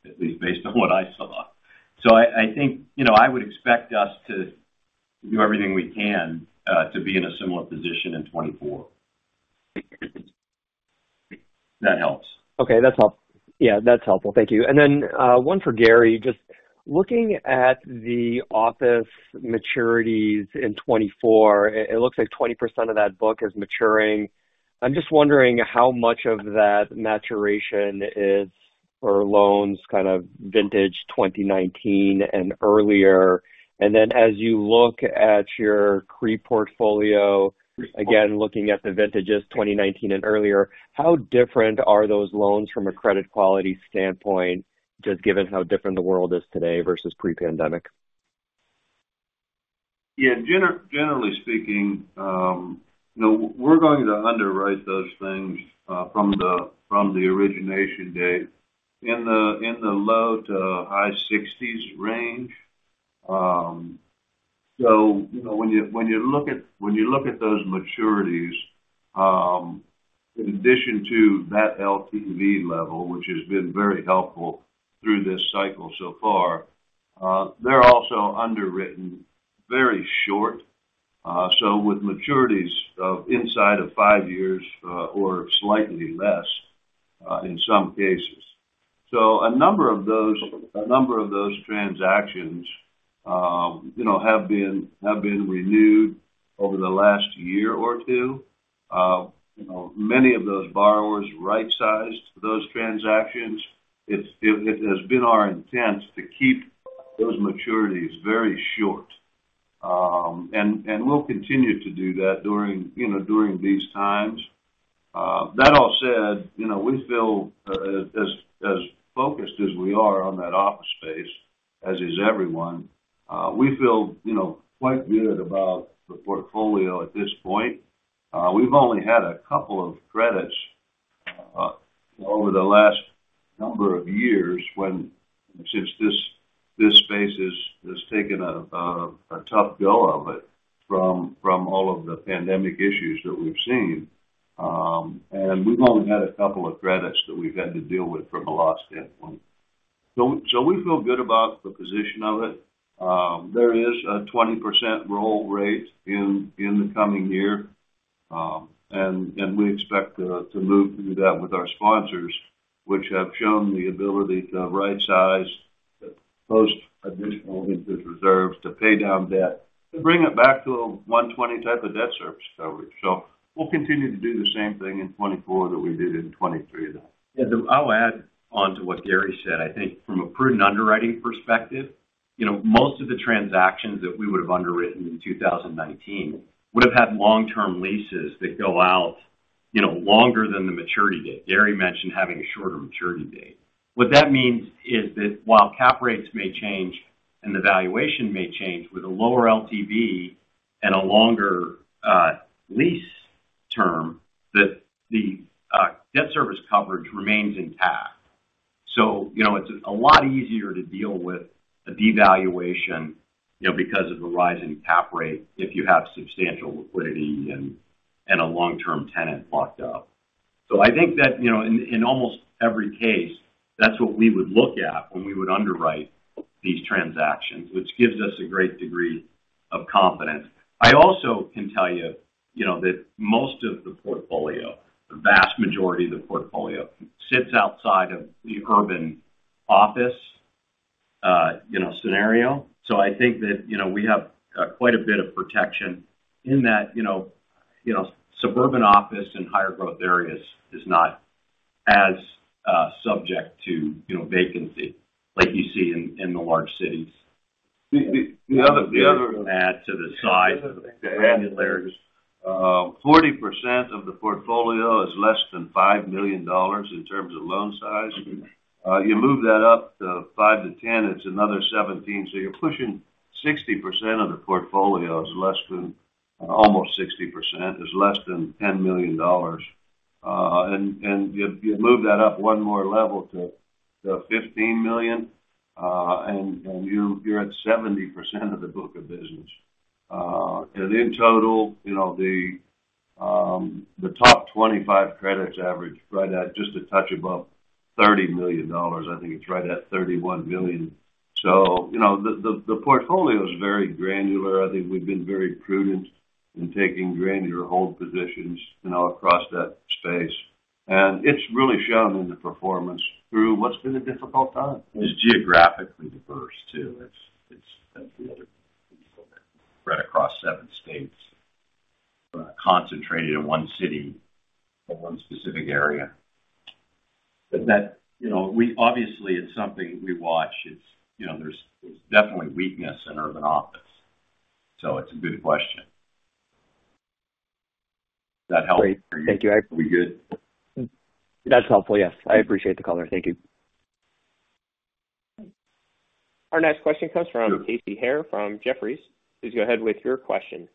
[SPEAKER 3] at least based on what I saw. So I think, you know, I would expect us to do everything we can to be in a similar position in 2024. That helps.
[SPEAKER 8] Okay, that's helpful. Yeah, that's helpful. Thank you. And then, one for Gary. Just looking at the office maturities in 2024, it looks like 20% of that book is maturing. I'm just wondering how much of that maturation is for loans kind of vintage 2019 and earlier. And then, as you look at your CRE portfolio, again, looking at the vintages 2019 and earlier, how different are those loans from a credit quality standpoint, just given how different the world is today versus pre-pandemic?
[SPEAKER 4] Yeah, generally speaking, you know, we're going to underwrite those things from the origination date in the low-to-high 60s range. So, you know, when you look at those maturities, in addition to that LTV level, which has been very helpful through this cycle so far, they're also underwritten very short, so with maturities of inside of five years, or slightly less, in some cases. So a number of those transactions, you know, have been renewed over the last year or two. You know, many of those borrowers right-sized those transactions. It has been our intent to keep those maturities very short. And we'll continue to do that during these times. That all said, you know, we feel as focused as we are on that office space, as is everyone, we feel, you know, quite good about the portfolio at this point. We've only had a couple of credits over the last number of years. Since this space has taken a tough go of it from all of the pandemic issues that we've seen. We've only had a couple of credits that we've had to deal with from a loss standpoint. So we feel good about the position of it. There is a 20% roll rate in the coming year, and we expect to move through that with our sponsors, which have shown the ability to rightsize, post additional interest reserves, to pay down debt, to bring it back to a 1.20 type of debt service coverage. So we'll continue to do the same thing in 2024 that we did in 2023.
[SPEAKER 3] Yeah. I'll add on to what Gary said. I think from a prudent underwriting perspective, you know, most of the transactions that we would have underwritten in 2019 would have had long-term leases that go out, you know, longer than the maturity date. Gary mentioned having a shorter maturity date. What that means is that while cap rates may change and the valuation may change with a lower LTV and a longer lease term, that the debt service coverage remains intact. So, you know, it's a lot easier to deal with a devaluation, you know, because of a rise in cap rate if you have substantial liquidity and a long-term tenant locked up. So I think that, you know, in almost every case, that's what we would look at when we would underwrite these transactions, which gives us a great degree of confidence. I also can tell you, you know, that most of the portfolio, the vast majority of the portfolio, sits outside of the urban office, you know, scenario. So I think that, you know, we have quite a bit of protection in that, you know, you know, suburban office in higher growth areas is not as subject to, you know, vacancy like you see in the large cities.
[SPEAKER 4] The other-
[SPEAKER 3] To add to the size.
[SPEAKER 4] 40% of the portfolio is less than $5 million in terms of loan size. You move that up to 5-10, it's another 17, so you're pushing 60% of the portfolio is less than—almost 60%, is less than $10 million. And you move that up one more level to 15 million, and you're at 70% of the book of business. And in total, you know, the top 25 credits average right at just a touch above $30 million. I think it's right at $31 million. So, you know, the portfolio is very granular. I think we've been very prudent in taking granular hold positions, you know, across that space, and it's really shown in the performance through what's been a difficult time. It's geographically diverse, too. It's spread across seven states, concentrated in one city or one specific area. But that, you know, we obviously, it's something we watch. It's, you know, there's definitely weakness in urban office, so it's a good question. Does that help?
[SPEAKER 8] Great. Thank you.
[SPEAKER 4] Are we good?
[SPEAKER 8] That's helpful. Yes. I appreciate the color. Thank you.
[SPEAKER 1] Our next question comes from Casey Haire from Jefferies. Please go ahead with your question.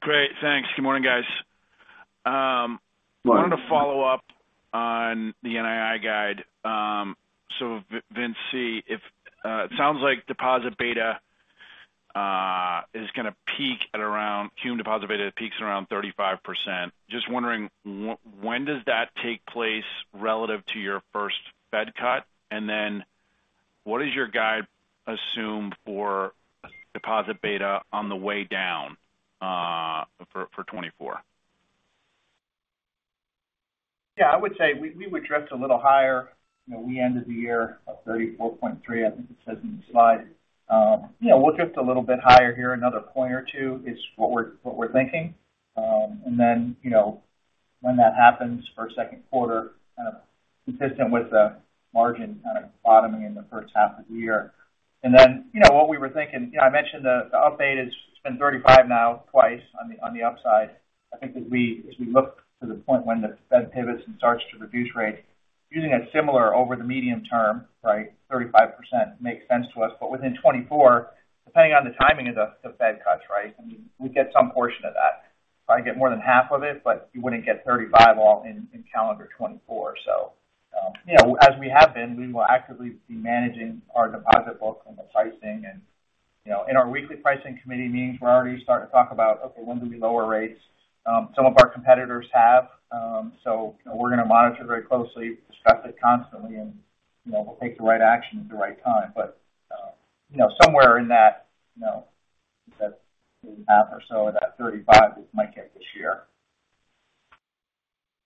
[SPEAKER 9] Great. Thanks. Good morning, guys.
[SPEAKER 3] Morning.
[SPEAKER 9] I wanted to follow up on the NII guide. So Vince C, if... It sounds like deposit beta is going to peak at around cumulative deposit beta peaks around 35%. Just wondering, when does that take place relative to your first Fed cut? And then, what does your guide assume for deposit beta on the way down, for 2024?
[SPEAKER 5] Yeah, I would say we would drift a little higher. You know, we ended the year at 34.3, I think it says in the slide. Yeah, we're just a little bit higher here. Another point or two is what we're thinking. And then, you know, when that happens for second quarter, kind of consistent with the margin kind of bottoming in the first half of the year. And then, you know, what we were thinking, you know, I mentioned the update, it's been 35% now twice on the upside. I think as we look to the point when the Fed pivots and starts to reduce rates, using a similar over the medium term, right, 35% makes sense to us. But within 2024, depending on the timing of the, the Fed cuts, right, I mean, we'd get some portion of that. Probably get more than half of it, but you wouldn't get 35% all in, in calendar 2024. So, you know, as we have been, we will actively be managing our deposit book and the pricing. And, you know, in our weekly pricing committee meetings, we're already starting to talk about, okay, when do we lower rates? Some of our competitors have, so we're going to monitor very closely, discuss it constantly, and, you know, we'll take the right action at the right time. But, you know, somewhere in that, you know, that half or so, that 35% is my guess this year.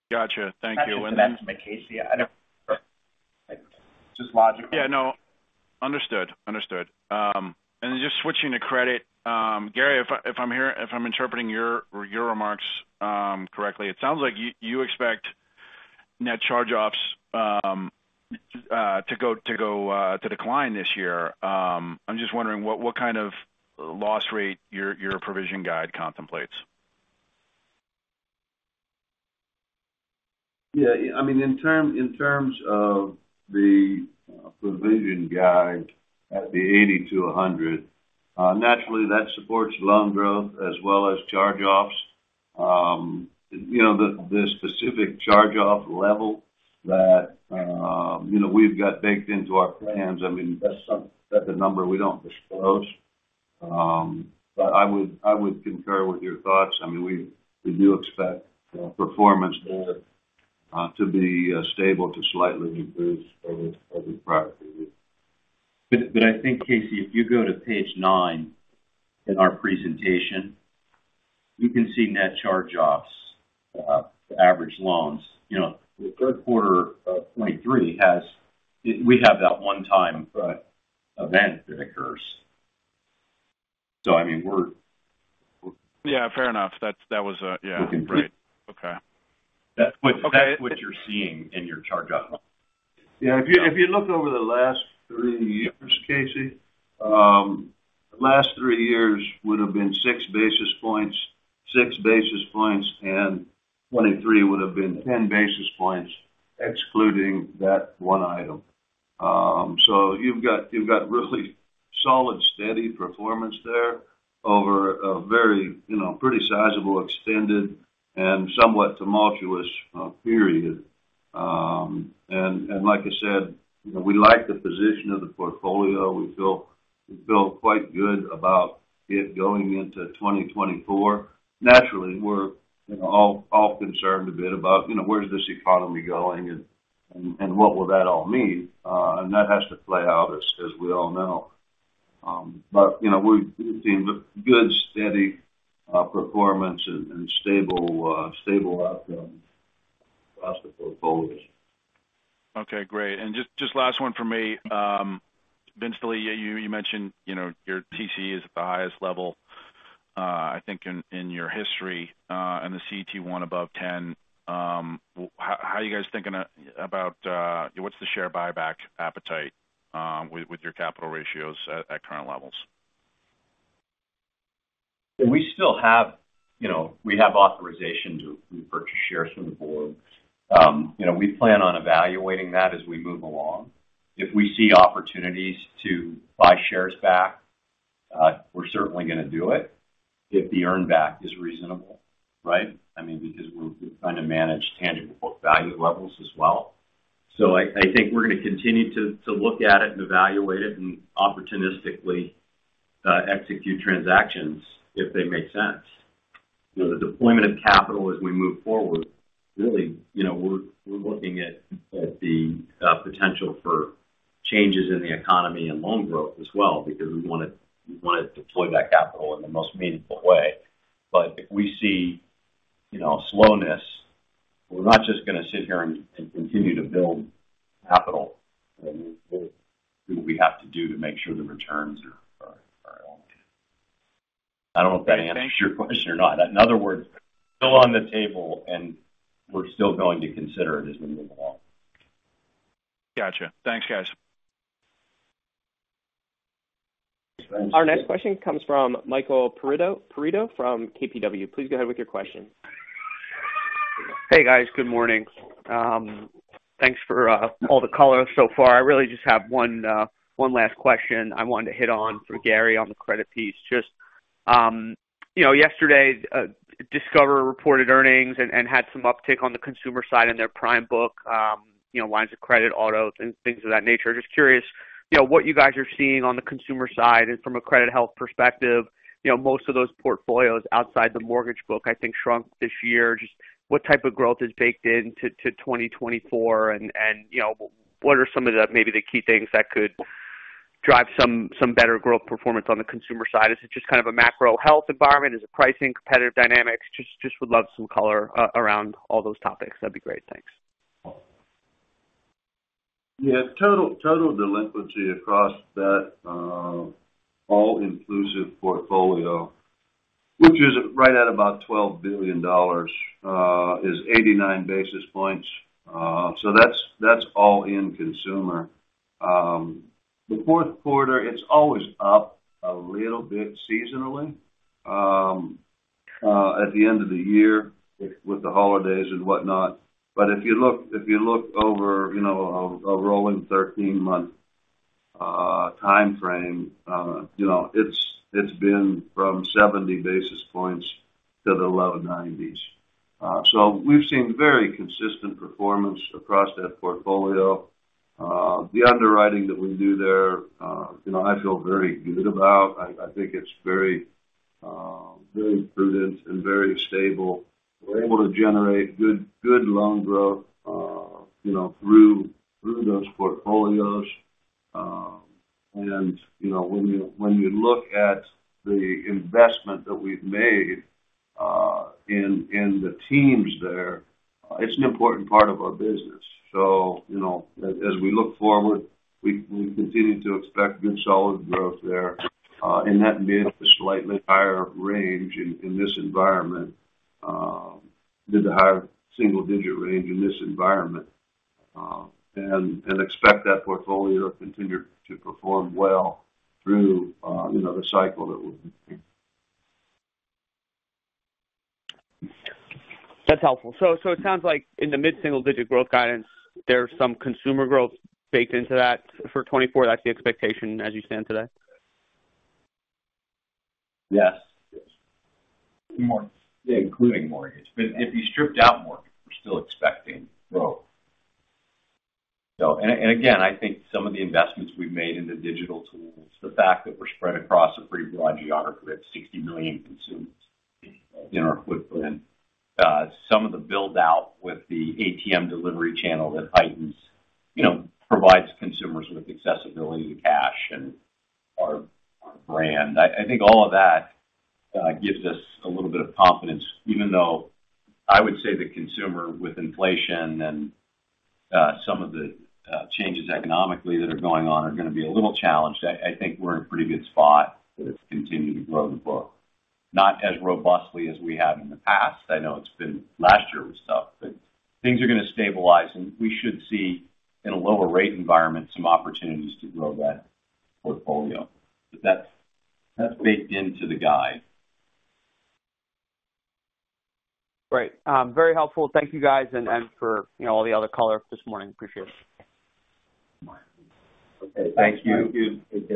[SPEAKER 9] Gotcha. Thank you.
[SPEAKER 5] That's my case. Yeah, I don't... Just logically.
[SPEAKER 9] Yeah, no. Understood. Understood. And then just switching to credit, Gary, if I'm interpreting your remarks correctly, it sounds like you expect net charge-offs to decline this year. I'm just wondering what kind of loss rate your provision guide contemplates?
[SPEAKER 4] Yeah, I mean, in terms of the provision guide at the 80-100, naturally, that supports loan growth as well as charge-offs. You know, the specific charge-off level that, you know, we've got baked into our plans, I mean, that's a number we don't disclose. But I would concur with your thoughts. I mean, we do expect performance there to be stable to slightly improved over the prior period.
[SPEAKER 3] But I think, Casey, if you go to page nine in our presentation, you can see net charge-offs to average loans. You know, the third quarter of 2023 has, we have that one time event that occurs. So I mean, we're-
[SPEAKER 9] Yeah, fair enough. That's, that was... Yeah. Right. Okay.
[SPEAKER 3] That's what-
[SPEAKER 9] Okay...
[SPEAKER 3] That's what you're seeing in your charge-off.
[SPEAKER 4] Yeah, if you, if you look over the last three years, Casey. The last three years would have been 6 basis points, 6 basis points, and 23 would have been 10 basis points, excluding that one item. So you've got, you've got really solid, steady performance there over a very, you know, pretty sizable, extended and somewhat tumultuous period. And, and like I said, you know, we like the position of the portfolio. We feel, we feel quite good about it going into 2024. Naturally, we're, you know, all, all concerned a bit about, you know, where's this economy going and, and, and what will that all mean? And that has to play out, as, as we all know. But, you know, we've seen good, steady performance and, and stable, stable outcome across the portfolios.
[SPEAKER 9] Okay, great. And just last one for me. Vince Delie, you mentioned, you know, your TCE is at the highest level, I think in your history, and the CET1 above 10. How are you guys thinking about what's the share buyback appetite with your capital ratios at current levels?
[SPEAKER 3] We still have, you know, we have authorization to purchase shares from the board. You know, we plan on evaluating that as we move along. If we see opportunities to buy shares back, we're certainly going to do it if the earn back is reasonable, right? I mean, because we're trying to manage tangible book value levels as well. So I think we're going to continue to look at it and evaluate it and opportunistically execute transactions if they make sense. You know, the deployment of capital as we move forward, really, you know, we're looking at the potential for changes in the economy and loan growth as well, because we want to deploy that capital in the most meaningful way. But if we see, you know, slowness, we're not just going to sit here and continue to build capital. We'll do what we have to do to make sure the returns are all good. I don't know if that answers your question or not. In other words, still on the table, and we're still going to consider it as we move along.
[SPEAKER 9] Gotcha. Thanks, guys.
[SPEAKER 1] Our next question comes from Michael Perito from KBW. Please go ahead with your question.
[SPEAKER 10] Hey, guys. Good morning. Thanks for all the color so far. I really just have one last question I wanted to hit on for Gary on the credit piece. Just, you know, yesterday Discover reported earnings and had some uptick on the consumer side in their prime book, you know, lines of credit, autos, and things of that nature. Just curious, you know, what you guys are seeing on the consumer side and from a credit health perspective. You know, most of those portfolios outside the mortgage book, I think, shrunk this year. Just what type of growth is baked in to 2024? And, you know, what are some of the, maybe the key things that could drive some better growth performance on the consumer side? Is it just kind of a macro health environment? Is it pricing, competitive dynamics? Just would love some color around all those topics. That'd be great. Thanks.
[SPEAKER 4] Yeah. Total delinquency across that all-inclusive portfolio, which is right at about $12 billion, is 89 basis points. So that's all in consumer. The fourth quarter, it's always up a little bit seasonally at the end of the year with the holidays and whatnot. But if you look over a rolling 13-month timeframe, you know, it's been from 70 basis points to the low 90s. So we've seen very consistent performance across that portfolio. The underwriting that we do there, you know, I feel very good about. I think it's very prudent and very stable. We're able to generate good loan growth through those portfolios. And, you know, when you look at the investment that we've made in the teams there, it's an important part of our business. So, you know, as we look forward, we continue to expect good, solid growth there, and that may be at the slightly higher range in this environment with the higher single-digit range in this environment. And expect that portfolio to continue to perform well through, you know, the cycle that we're in.
[SPEAKER 10] That's helpful. So, it sounds like in the mid-single-digit growth guidance, there's some consumer growth baked into that for 2024. That's the expectation as you stand today?
[SPEAKER 3] Yes. More, including mortgage. But if you stripped out mortgage, we're still expecting growth. So... And again, I think some of the investments we've made in the digital tools, the fact that we're spread across a pretty broad geography with 60 million consumers in our footprint, some of the build-out with the ATM delivery channel that heightens, you know, provides consumers with accessibility to cash and our brand. I think all of that gives us a little bit of confidence, even though I would say the consumer, with inflation and some of the changes economically that are going on, are going to be a little challenged. I think we're in a pretty good spot to continue to grow the book not as robustly as we have in the past. I know it's been, last year was tough, but things are going to stabilize, and we should see, in a lower rate environment, some opportunities to grow that portfolio. But that's baked into the guide.
[SPEAKER 10] Right. Very helpful. Thank you, guys, and for, you know, all the other color this morning. Appreciate it.
[SPEAKER 5] Okay, thank you.
[SPEAKER 4] Thank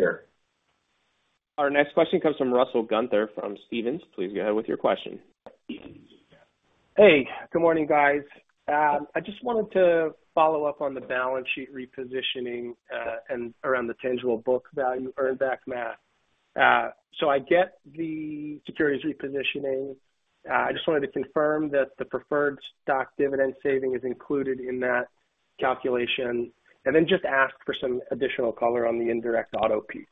[SPEAKER 4] you. Take care.
[SPEAKER 1] Our next question comes from Russell Gunther from Stephens. Please go ahead with your question.
[SPEAKER 11] Hey, good morning, guys. I just wanted to follow up on the balance sheet repositioning, and around the tangible book value earn back math. So I get the securities repositioning. I just wanted to confirm that the preferred stock dividend saving is included in that calculation, and then just ask for some additional color on the indirect auto piece.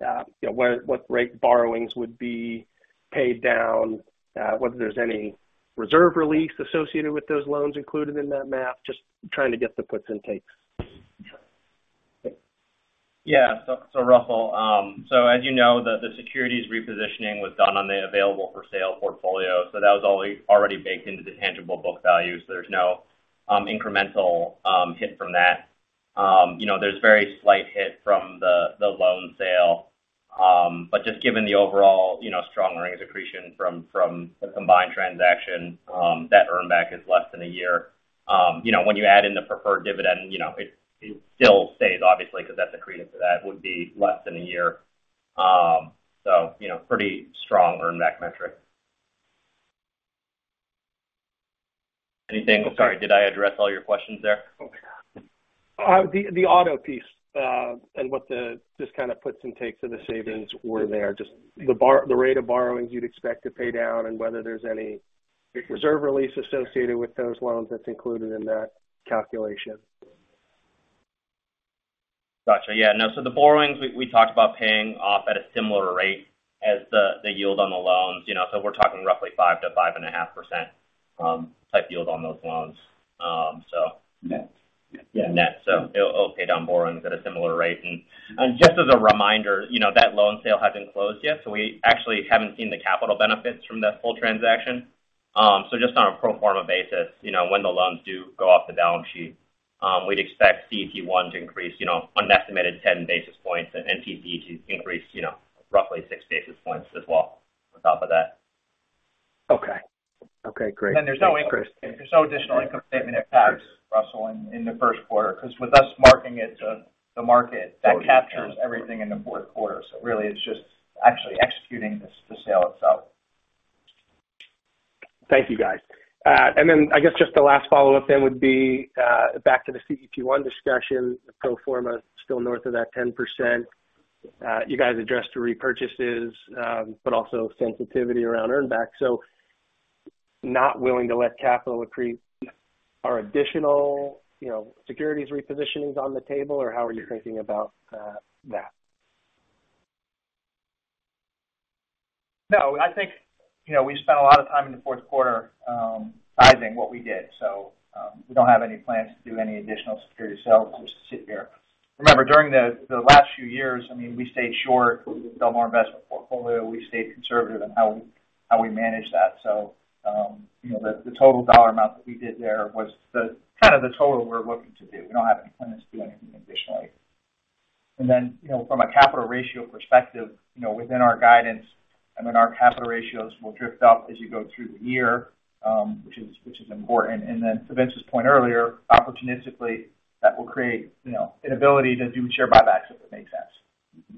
[SPEAKER 11] You know, where—what rate borrowings would be paid down, whether there's any reserve release associated with those loans included in that math. Just trying to get the puts and takes.
[SPEAKER 5] Yeah. So, Russell, so as you know, the securities repositioning was done on the available-for-sale portfolio, so that was already baked into the tangible book value. So there's no incremental hit from that. You know, there's very slight hit from the loan sale. But just given the overall, you know, strong earnings accretion from the combined transaction, that earn back is less than a year. You know, when you add in the preferred dividend, you know, it still stays, obviously, because that's accretive to that, would be less than a year. So, you know, pretty strong earn back metric. Anything... I'm sorry, did I address all your questions there?
[SPEAKER 11] The auto piece and what the puts and takes of the savings were there, just the rate of borrowings you'd expect to pay down and whether there's any reserve release associated with those loans that's included in that calculation.
[SPEAKER 5] Got you. Yeah. No, so the borrowings we, we talked about paying off at a similar rate as the, the yield on the loans. You know, so we're talking roughly 5%-5.5% type yield on those loans. So-
[SPEAKER 3] Net.
[SPEAKER 5] Yeah, net. So it'll pay down borrowings at a similar rate. And, and just as a reminder, you know, that loan sale hasn't closed yet, so we actually haven't seen the capital benefits from that full transaction. So just on a pro forma basis, you know, when the loans do go off the balance sheet, we'd expect CET1 to increase, you know, an estimated 10 basis points, and TCE to increase, you know, roughly 6 basis points as well, on top of that.
[SPEAKER 11] Okay. Okay, great.
[SPEAKER 5] There's no interest. There's no additional income statement impact, Russell, in the first quarter, because with us marking it to the market, that captures everything in the fourth quarter. So really, it's just actually executing the sale itself.
[SPEAKER 11] Thank you, guys. And then I guess just the last follow-up then would be back to the CET1 discussion. The pro forma is still north of that 10%. You guys addressed the repurchases, but also sensitivity around earn back. So not willing to let capital accrete. Are additional, you know, securities repositionings on the table, or how are you thinking about that?
[SPEAKER 5] No, I think, you know, we spent a lot of time in the fourth quarter sizing what we did. So, we don't have any plans to do any additional security sales just to sit here. Remember, during the last few years, I mean, we stayed short with bulk of our investment portfolio. We stayed conservative in how we managed that. So, you know, the total dollar amount that we did there was kind of the total we're looking to do. We don't have any plans to do anything additionally. And then, you know, from a capital ratio perspective, you know, within our guidance, and then our capital ratios will drift up as you go through the year, which is important. And then to Vince's point earlier, opportunistically, that will create, you know, an ability to do share buybacks, if it makes sense.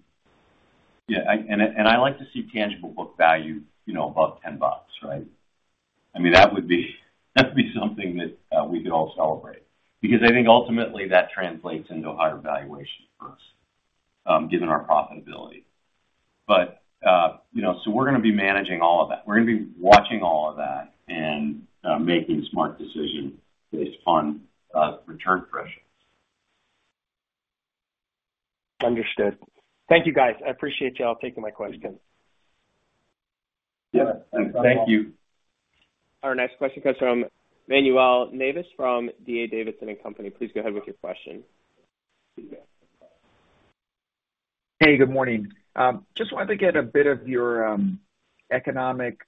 [SPEAKER 3] Yeah, and I, and I like to see tangible book value, you know, above $10, right? I mean, that would be, that would be something that we could all celebrate because I think ultimately that translates into a higher valuation for us, given our profitability. But, you know, so we're going to be managing all of that. We're going to be watching all of that and making smart decisions based on return thresholds.
[SPEAKER 11] Understood. Thank you, guys. I appreciate y'all taking my questions.
[SPEAKER 3] Yeah, thank you.
[SPEAKER 1] Our next question comes from Manuel Navas, from D.A. Davidson & Co. Please go ahead with your question.
[SPEAKER 12] Hey, good morning. Just wanted to get a bit of your economic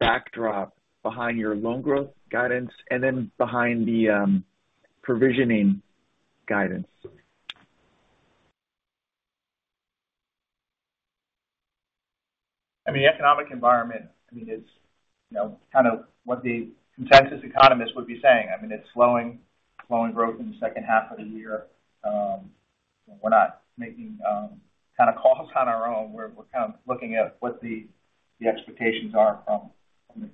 [SPEAKER 12] backdrop behind your loan growth guidance and then behind the provisioning guidance?
[SPEAKER 5] I mean, the economic environment, it's, you know, kind of what the consensus economists would be saying. I mean, it's slowing growth in the second half of the year. We're not making kind of calls on our own. We're kind of looking at what the expectations are from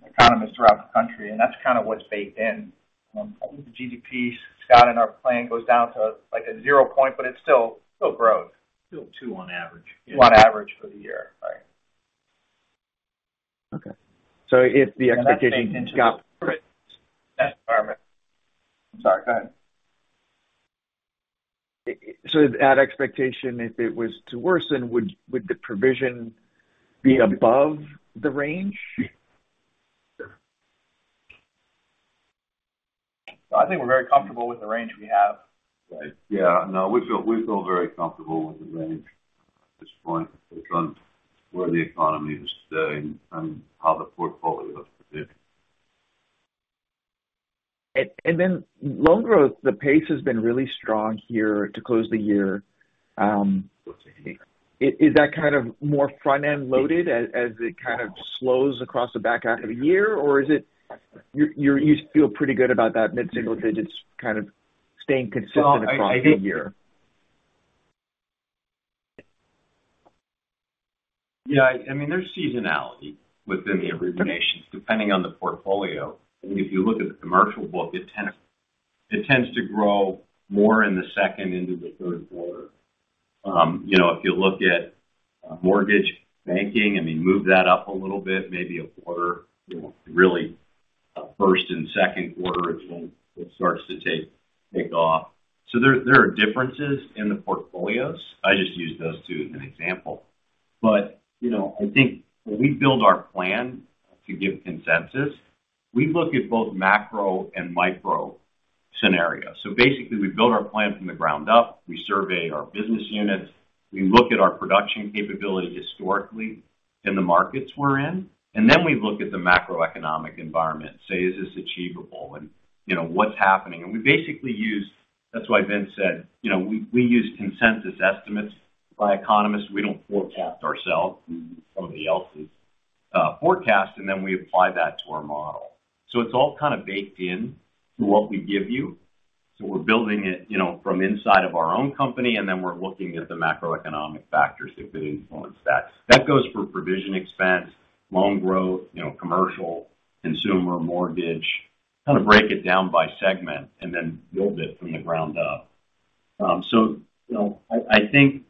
[SPEAKER 5] economists throughout the country, and that's kind of what's baked in. I think the GDP, Scott, in our plan, goes down to, like, a zero point, but it's still growth.
[SPEAKER 3] Still two on average.
[SPEAKER 5] On average for the year, right?
[SPEAKER 12] Okay. So if the expectation-
[SPEAKER 3] I'm sorry, go ahead.
[SPEAKER 12] That expectation, if it was to worsen, would the provision be above the range?
[SPEAKER 3] I think we're very comfortable with the range we have, right?
[SPEAKER 4] Yeah. No, we feel very comfortable with the range at this point, based on where the economy is today and how the portfolio looks today.
[SPEAKER 12] And then loan growth, the pace has been really strong here to close the year. Is that kind of more front-end loaded as it kind of slows across the back half of the year? Or is it you feel pretty good about that mid-single digits kind of staying consistent across the year?
[SPEAKER 3] Yeah, I mean, there's seasonality within the originations, depending on the portfolio. If you look at the commercial book, it tends to grow more in the second into the third quarter. You know, if you look at mortgage banking, I mean, move that up a little bit, maybe a quarter. You know, really, first and second quarter is when it starts to take off. So there are differences in the portfolios. I just used those two as an example. But, you know, I think when we build our plan to give consensus, we look at both macro and micro scenarios. So basically, we build our plan from the ground up, we survey our business units, we look at our production capability historically in the markets we're in, and then we look at the macroeconomic environment. Say, is this achievable? You know, what's happening? We basically use... That's why Vince said, you know, we use consensus estimates by economists. We don't forecast ourselves. We use somebody else's forecast, and then we apply that to our model. So it's all kind of baked in to what we give you. So we're building it, you know, from inside of our own company, and then we're looking at the macroeconomic factors that could influence that. That goes for provision expense, loan growth, you know, commercial, consumer mortgage. Kind of break it down by segment and then build it from the ground up. So, you know, I think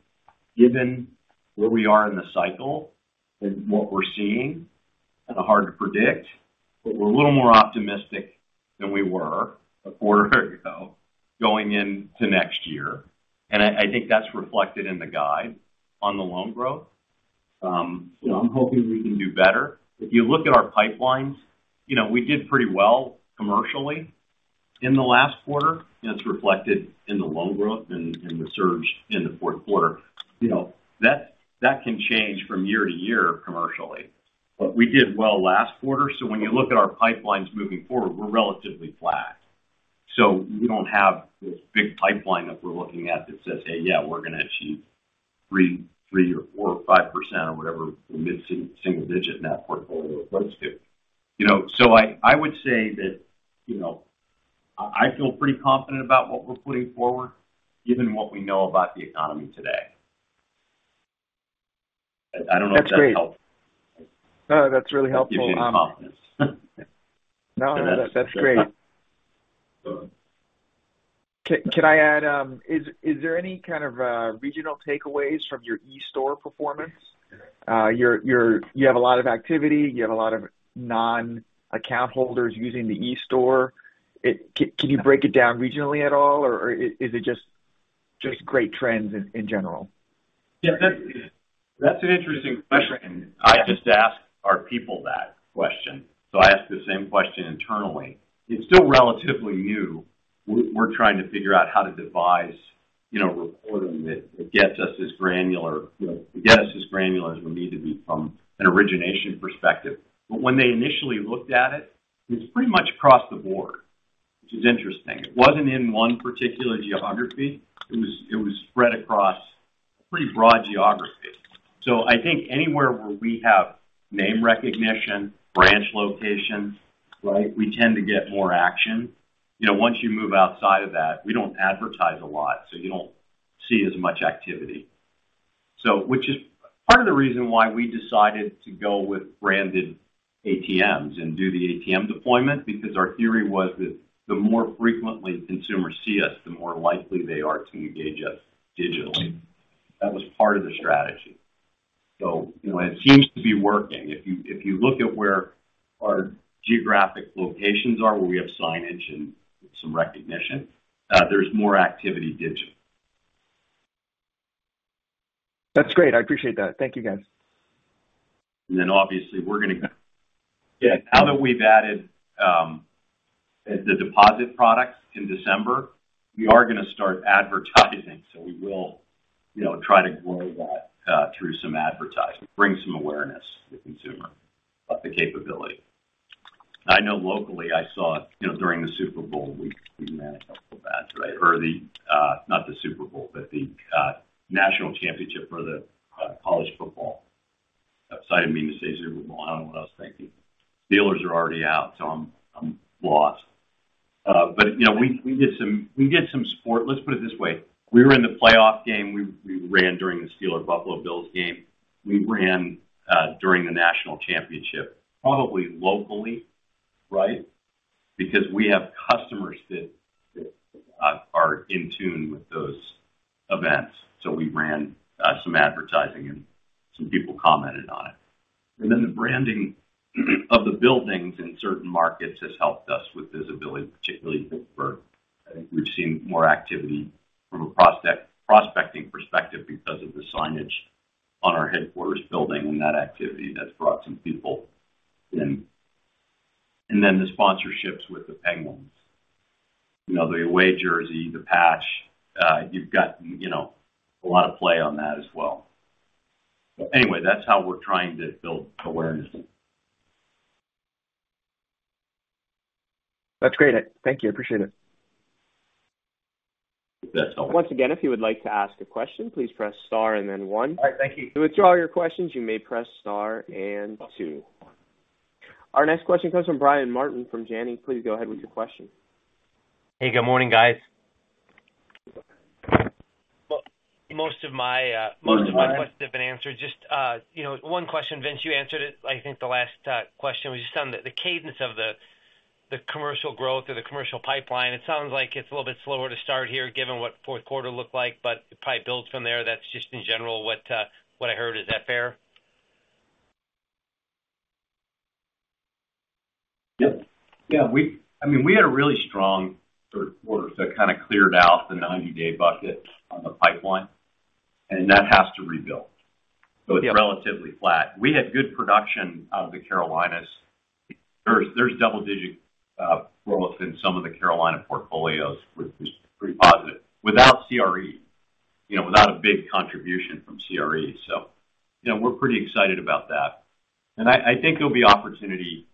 [SPEAKER 3] given where we are in the cycle and what we're seeing, kind of hard to predict, but we're a little more optimistic than we were a quarter ago, going into next year. I think that's reflected in the guide on the loan growth. You know, I'm hoping we can do better. If you look at our pipelines, you know, we did pretty well commercially in the last quarter, and it's reflected in the loan growth and the surge in the fourth quarter. You know, that can change from year to year commercially. But we did well last quarter, so when you look at our pipelines moving forward, we're relatively flat. So we don't have this big pipeline that we're looking at that says: Hey, yeah, we're going to achieve 3% or 4% or 5% or whatever the mid-single digit in that portfolio refers to. You know, so I would say that, you know, I feel pretty confident about what we're putting forward, given what we know about the economy today. I don't know if that helps.
[SPEAKER 12] That's great. No, that's really helpful.
[SPEAKER 3] It gives you confidence.
[SPEAKER 12] No, that's great. Can I add... Is there any kind of regional takeaways from your eStore performance? You have a lot of activity, you have a lot of non-account holders using the eStore. Can you break it down regionally at all, or is it just great trends in general?
[SPEAKER 3] Yeah, that's an interesting question. I just asked our people that question, so I asked the same question internally. It's still relatively new. We're trying to figure out how to devise, you know, reporting that gets us as granular, you know, as we need to be from an origination perspective. But when they initially looked at it, it's pretty much across the board, which is interesting. It wasn't in one particular geography. It was spread across a pretty broad geography. So I think anywhere where we have name recognition, branch locations, right? We tend to get more action. You know, once you move outside of that, we don't advertise a lot, so you don't see as much activity. So, which is part of the reason why we decided to go with branded ATMs and do the ATM deployment, because our theory was that the more frequently consumers see us, the more likely they are to engage us digitally. That was part of the strategy. So, you know, it seems to be working. If you, if you look at where our geographic locations are, where we have signage and some recognition, there's more activity digitally.
[SPEAKER 12] That's great. I appreciate that. Thank you, guys.
[SPEAKER 3] And then obviously, we're going to... Yeah, now that we've added the deposit product in December, we are going to start advertising. So we will, you know, try to grow that, through some advertising, bring some awareness to the consumer of the capability. I know locally, I saw, you know, during the Super Bowl, we managed a couple of ads, right? Or the, not the Super Bowl, but the, National Championship for the, college football. Outside of me to say Super Bowl, I don't know what I was thinking. Steelers are already out, so I'm lost. But, you know, we did some, we did some sport. Let's put it this way: We were in the playoff game. We ran during the Steeler-Buffalo Bills game. We ran during the National Championship, probably locally, right? Because we have customers that are in tune with those events. So we ran some advertising and some people commented on it. And then the branding of the buildings in certain markets has helped us with visibility, particularly Pittsburgh. I think we've seen more activity from a prospecting perspective because of the signage on our headquarters building and that activity that's brought some people in. And then the sponsorships with the Penguins. You know, the away jersey, the patch, you've got, you know, a lot of play on that as well. Anyway, that's how we're trying to build awareness.
[SPEAKER 12] That's great. Thank you. I appreciate it.
[SPEAKER 3] That's all.
[SPEAKER 1] Once again, if you would like to ask a question, please press star and then one.
[SPEAKER 3] All right. Thank you.
[SPEAKER 1] To withdraw your questions, you may press star and two. Our next question comes from Brian Martin from Janney. Please go ahead with your question.
[SPEAKER 13] Hey, good morning, guys. Well, most of my questions have been answered. Just, you know, one question, Vince; you answered it. I think the last question was just on the cadence of the commercial growth or the commercial pipeline. It sounds like it's a little bit slower to start here, given what fourth quarter looked like, but it probably builds from there. That's just in general what I heard. Is that fair?
[SPEAKER 3] Yep. Yeah, we—I mean, we had a really strong third quarter that kinda cleared out the 90-day bucket on the pipeline, and that has to rebuild. So it's relatively flat. We had good production out of the Carolinas. There's double-digit growth in some of the Carolina portfolios, which is pretty positive, without CRE, you know, without a big contribution from CRE. So, you know, we're pretty excited about that. And I think there'll be opportunity,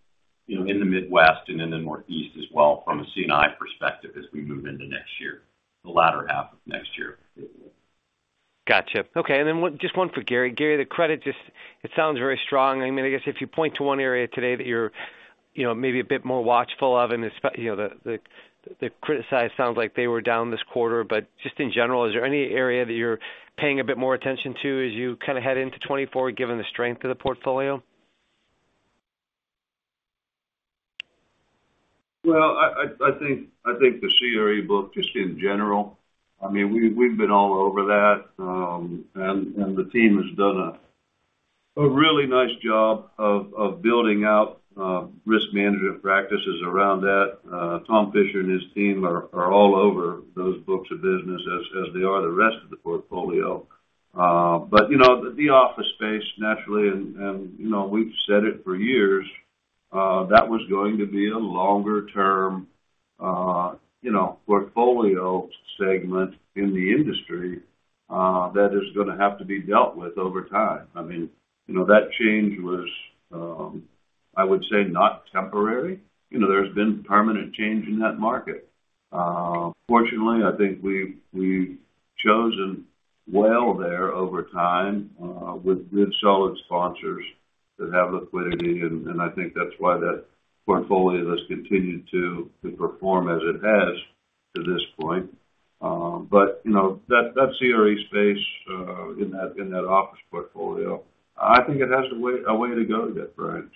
[SPEAKER 3] you know, in the Midwest and in the Northeast as well from a C&I perspective as we move into next year, the latter half of next year.
[SPEAKER 13] Gotcha. Okay, and then just one for Gary. Gary, the credit just it sounds very strong. I mean, I guess if you point to one area today that you're, you know, maybe a bit more watchful of, and you know, the credit side sounds like they were down this quarter, but just in general, is there any area that you're paying a bit more attention to as you kind of head into 2024, given the strength of the portfolio?
[SPEAKER 4] Well, I think the CRE book, just in general, I mean, we've been all over that, and the team has done a really nice job of building out risk management practices around that. Tom Fisher and his team are all over those books of business as they are the rest of the portfolio. But you know, the office space, naturally, and you know, we've said it for years, that was going to be a longer-term portfolio segment in the industry, that is gonna have to be dealt with over time. I mean, you know, that change was, I would say, not temporary. You know, there's been permanent change in that market. Fortunately, I think we've chosen well there over time with solid sponsors that have liquidity, and I think that's why that portfolio has continued to perform as it has to this point. But, you know, that CRE space in that office portfolio, I think it has a way to go yet, Brian,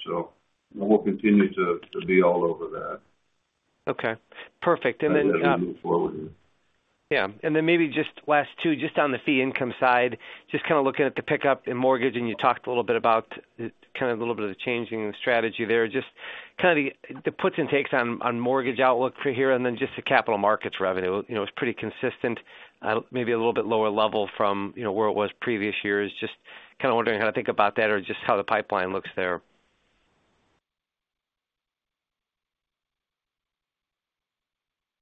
[SPEAKER 4] so we'll continue to be all over that.
[SPEAKER 13] Okay, perfect. And then,
[SPEAKER 4] As we move forward.
[SPEAKER 13] Yeah, and then maybe just last two, just on the fee income side, just kinda looking at the pickup in mortgage, and you talked a little bit about kind of a little bit of the changing strategy there. Just kinda the, the puts and takes on, on mortgage outlook for here, and then just the capital markets revenue. You know, it's pretty consistent, maybe a little bit lower level from, you know, where it was previous years. Just kinda wondering how to think about that or just how the pipeline looks there.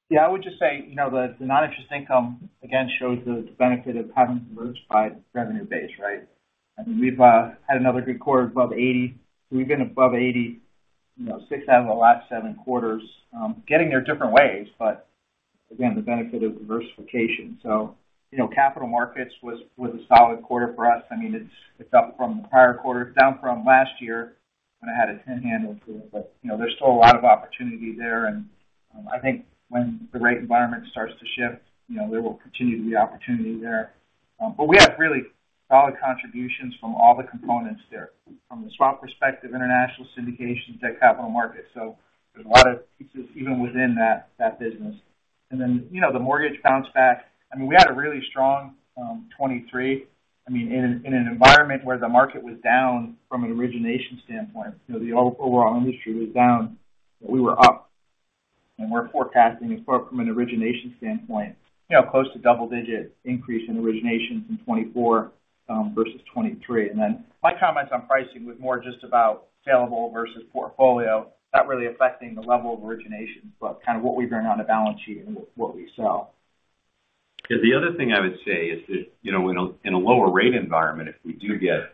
[SPEAKER 5] Yeah, I would just say, you know, the non-interest income, again, shows the benefit of having a diversified revenue base, right? I mean, we've had another good quarter above 80. We've been above 80, you know, six out of the last seven quarters. Getting there different ways, but again, the benefit of diversification. So, you know, capital markets was a solid quarter for us. I mean, it's up from the prior quarter. It's down from last year when it had a 10 handle to it, but, you know, there's still a lot of opportunity there. And I think when the rate environment starts to shift, you know, there will continue to be opportunity there. But we have really solid contributions from all the components there, from the swap perspective, international syndications, debt capital markets. So there's a lot of pieces even within that, that business. And then, you know, the mortgage bounce back. I mean, we had a really strong 2023. I mean, in an environment where the market was down from an origination standpoint, you know, the overall industry was down, but we were up, and we're forecasting it from an origination standpoint, you know, close to double-digit increase in origination from 2024 versus 2023. And then my comments on pricing was more just about saleable versus portfolio, not really affecting the level of origination, but kind of what we bring on the balance sheet and what we sell.
[SPEAKER 3] Yeah. The other thing I would say is that, you know, in a lower rate environment, if we do get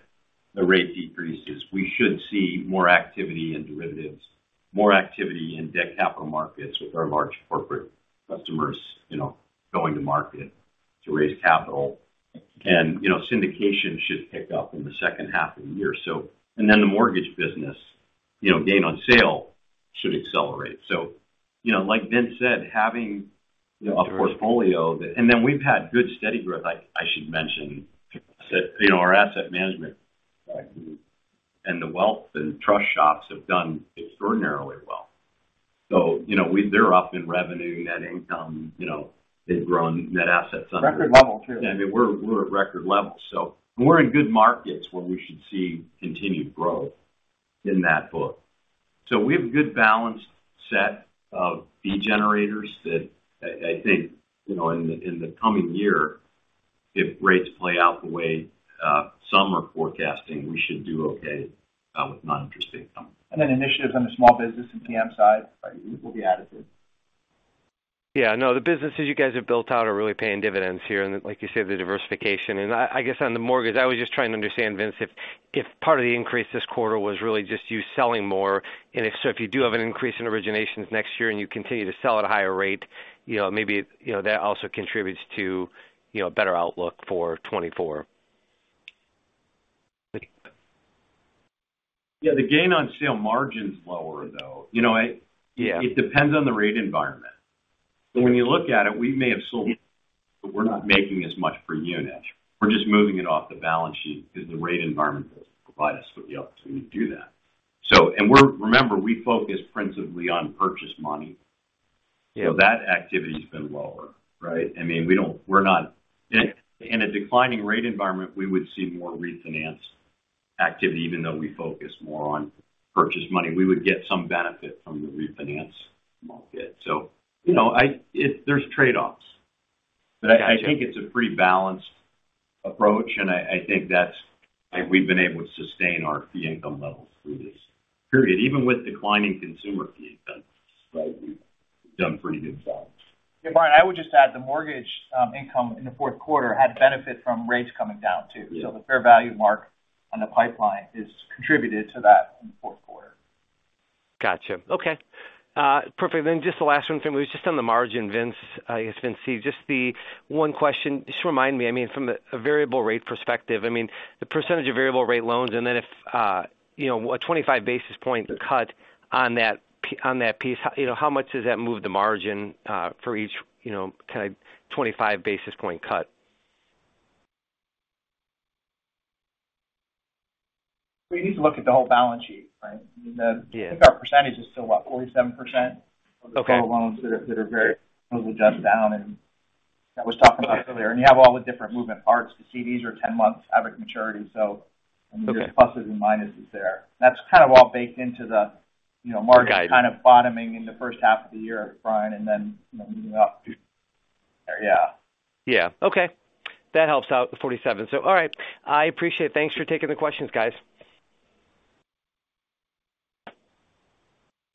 [SPEAKER 3] the rate decreases, we should see more activity in derivatives, more activity in debt capital markets with our large corporate customers, you know, going to market to raise capital. And, you know, syndication should pick up in the second half of the year. So... And then the mortgage business, you know, gain on sale should accelerate. So, you know, like Vince said, having, you know, a portfolio that-- And then we've had good, steady growth, I should mention, that, you know, our asset management and the wealth and trust shops have done extraordinarily well. So, you know, they're up in revenue, net income, you know, they've grown net assets under-
[SPEAKER 5] Record level, too.
[SPEAKER 3] I mean, we're at record levels, so we're in good markets where we should see continued growth in that book... So we have a good balanced set of fee generators that I think, you know, in the coming year, if rates play out the way some are forecasting, we should do okay with non-interest income.
[SPEAKER 5] And then initiatives on the small business and TM side, I think, will be added to.
[SPEAKER 13] Yeah, no, the businesses you guys have built out are really paying dividends here, and like you said, the diversification. And I, I guess on the mortgage, I was just trying to understand, Vince, if, if part of the increase this quarter was really just you selling more, and if so, if you do have an increase in originations next year and you continue to sell at a higher rate, you know, maybe, you know, that also contributes to, you know, a better outlook for 2024.
[SPEAKER 3] Yeah, the gain on sale margin's lower, though. You know, I-
[SPEAKER 5] Yeah.
[SPEAKER 3] It depends on the rate environment. When you look at it, we may have sold, but we're not making as much per unit. We're just moving it off the balance sheet because the rate environment will provide us with the opportunity to do that. So, and remember, we focus principally on purchase money.
[SPEAKER 13] Yeah.
[SPEAKER 3] So that activity's been lower, right? I mean, in a declining rate environment, we would see more refinance activity, even though we focus more on purchase money. We would get some benefit from the refinance market. So, you know, there's trade-offs.
[SPEAKER 13] Got you.
[SPEAKER 3] But I think it's a pretty balanced approach, and I, I think that's why we've been able to sustain our fee income levels through this period. Even with declining consumer fee income, right? We've done pretty good.
[SPEAKER 5] Yeah, Brian, I would just add the mortgage income in the fourth quarter had benefit from rates coming down, too.
[SPEAKER 3] Yeah.
[SPEAKER 5] The fair value mark on the pipeline is contributed to that in the fourth quarter.
[SPEAKER 13] Gotcha. Okay. Perfect. Then just the last one for me, was just on the margin, Vince, it's been seen. Just the one question. Just remind me, I mean, from the a variable rate perspective, I mean, the percentage of variable rate loans, and then if, you know, a 25 basis point cut on that p- on that piece, you know, how much does that move the margin, for each, you know, kind of 25 basis point cut?
[SPEAKER 5] We need to look at the whole balance sheet, right?
[SPEAKER 13] Yeah.
[SPEAKER 5] I think our percentage is still about 47%-
[SPEAKER 13] Okay.
[SPEAKER 5] of the total loans that are very adjusted down, and I was talking about earlier. You have all the different moving parts. The CDs are 10 months average maturity, so-
[SPEAKER 13] Okay....
[SPEAKER 5] there's pluses and minuses there. That's kind of all baked into the, you know, margin-
[SPEAKER 13] Got it.
[SPEAKER 5] kind of bottoming in the first half of the year, Brian, and then, you know, moving up. Yeah.
[SPEAKER 13] Yeah. Okay, that helps out, the 47%. So all right. I appreciate it. Thanks for taking the questions, guys.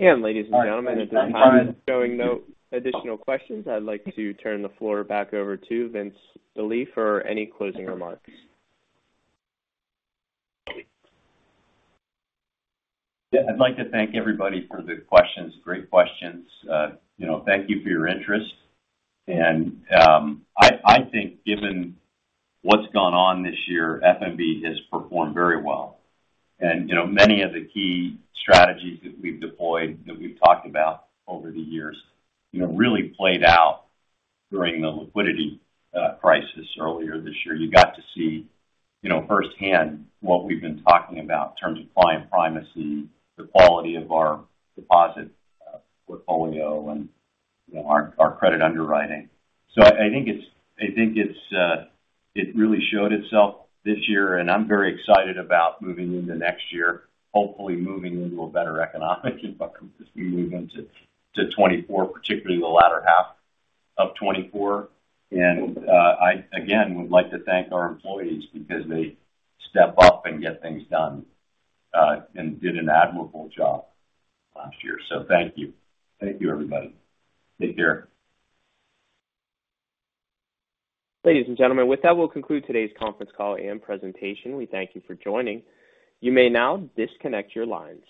[SPEAKER 1] Ladies and gentlemen, at this time, showing no additional questions. I'd like to turn the floor back over to Vince Delie for any closing remarks.
[SPEAKER 3] Yeah. I'd like to thank everybody for the questions. Great questions. You know, thank you for your interest. And I think given what's gone on this year, FNB has performed very well. And you know, many of the key strategies that we've deployed, that we've talked about over the years, you know, really played out during the liquidity crisis earlier this year. You got to see, you know, firsthand, what we've been talking about in terms of client primacy, the quality of our deposit portfolio, and you know, our credit underwriting. So I think it's, I think it's, it really showed itself this year, and I'm very excited about moving into next year, hopefully moving into a better economic environment as we move into 2024, particularly the latter half of 2024. And, I, again, would like to thank our employees because they step up and get things done, and did an admirable job last year. So thank you. Thank you, everybody. Take care.
[SPEAKER 1] Ladies and gentlemen, with that, we'll conclude today's conference call and presentation. We thank you for joining. You may now disconnect your lines.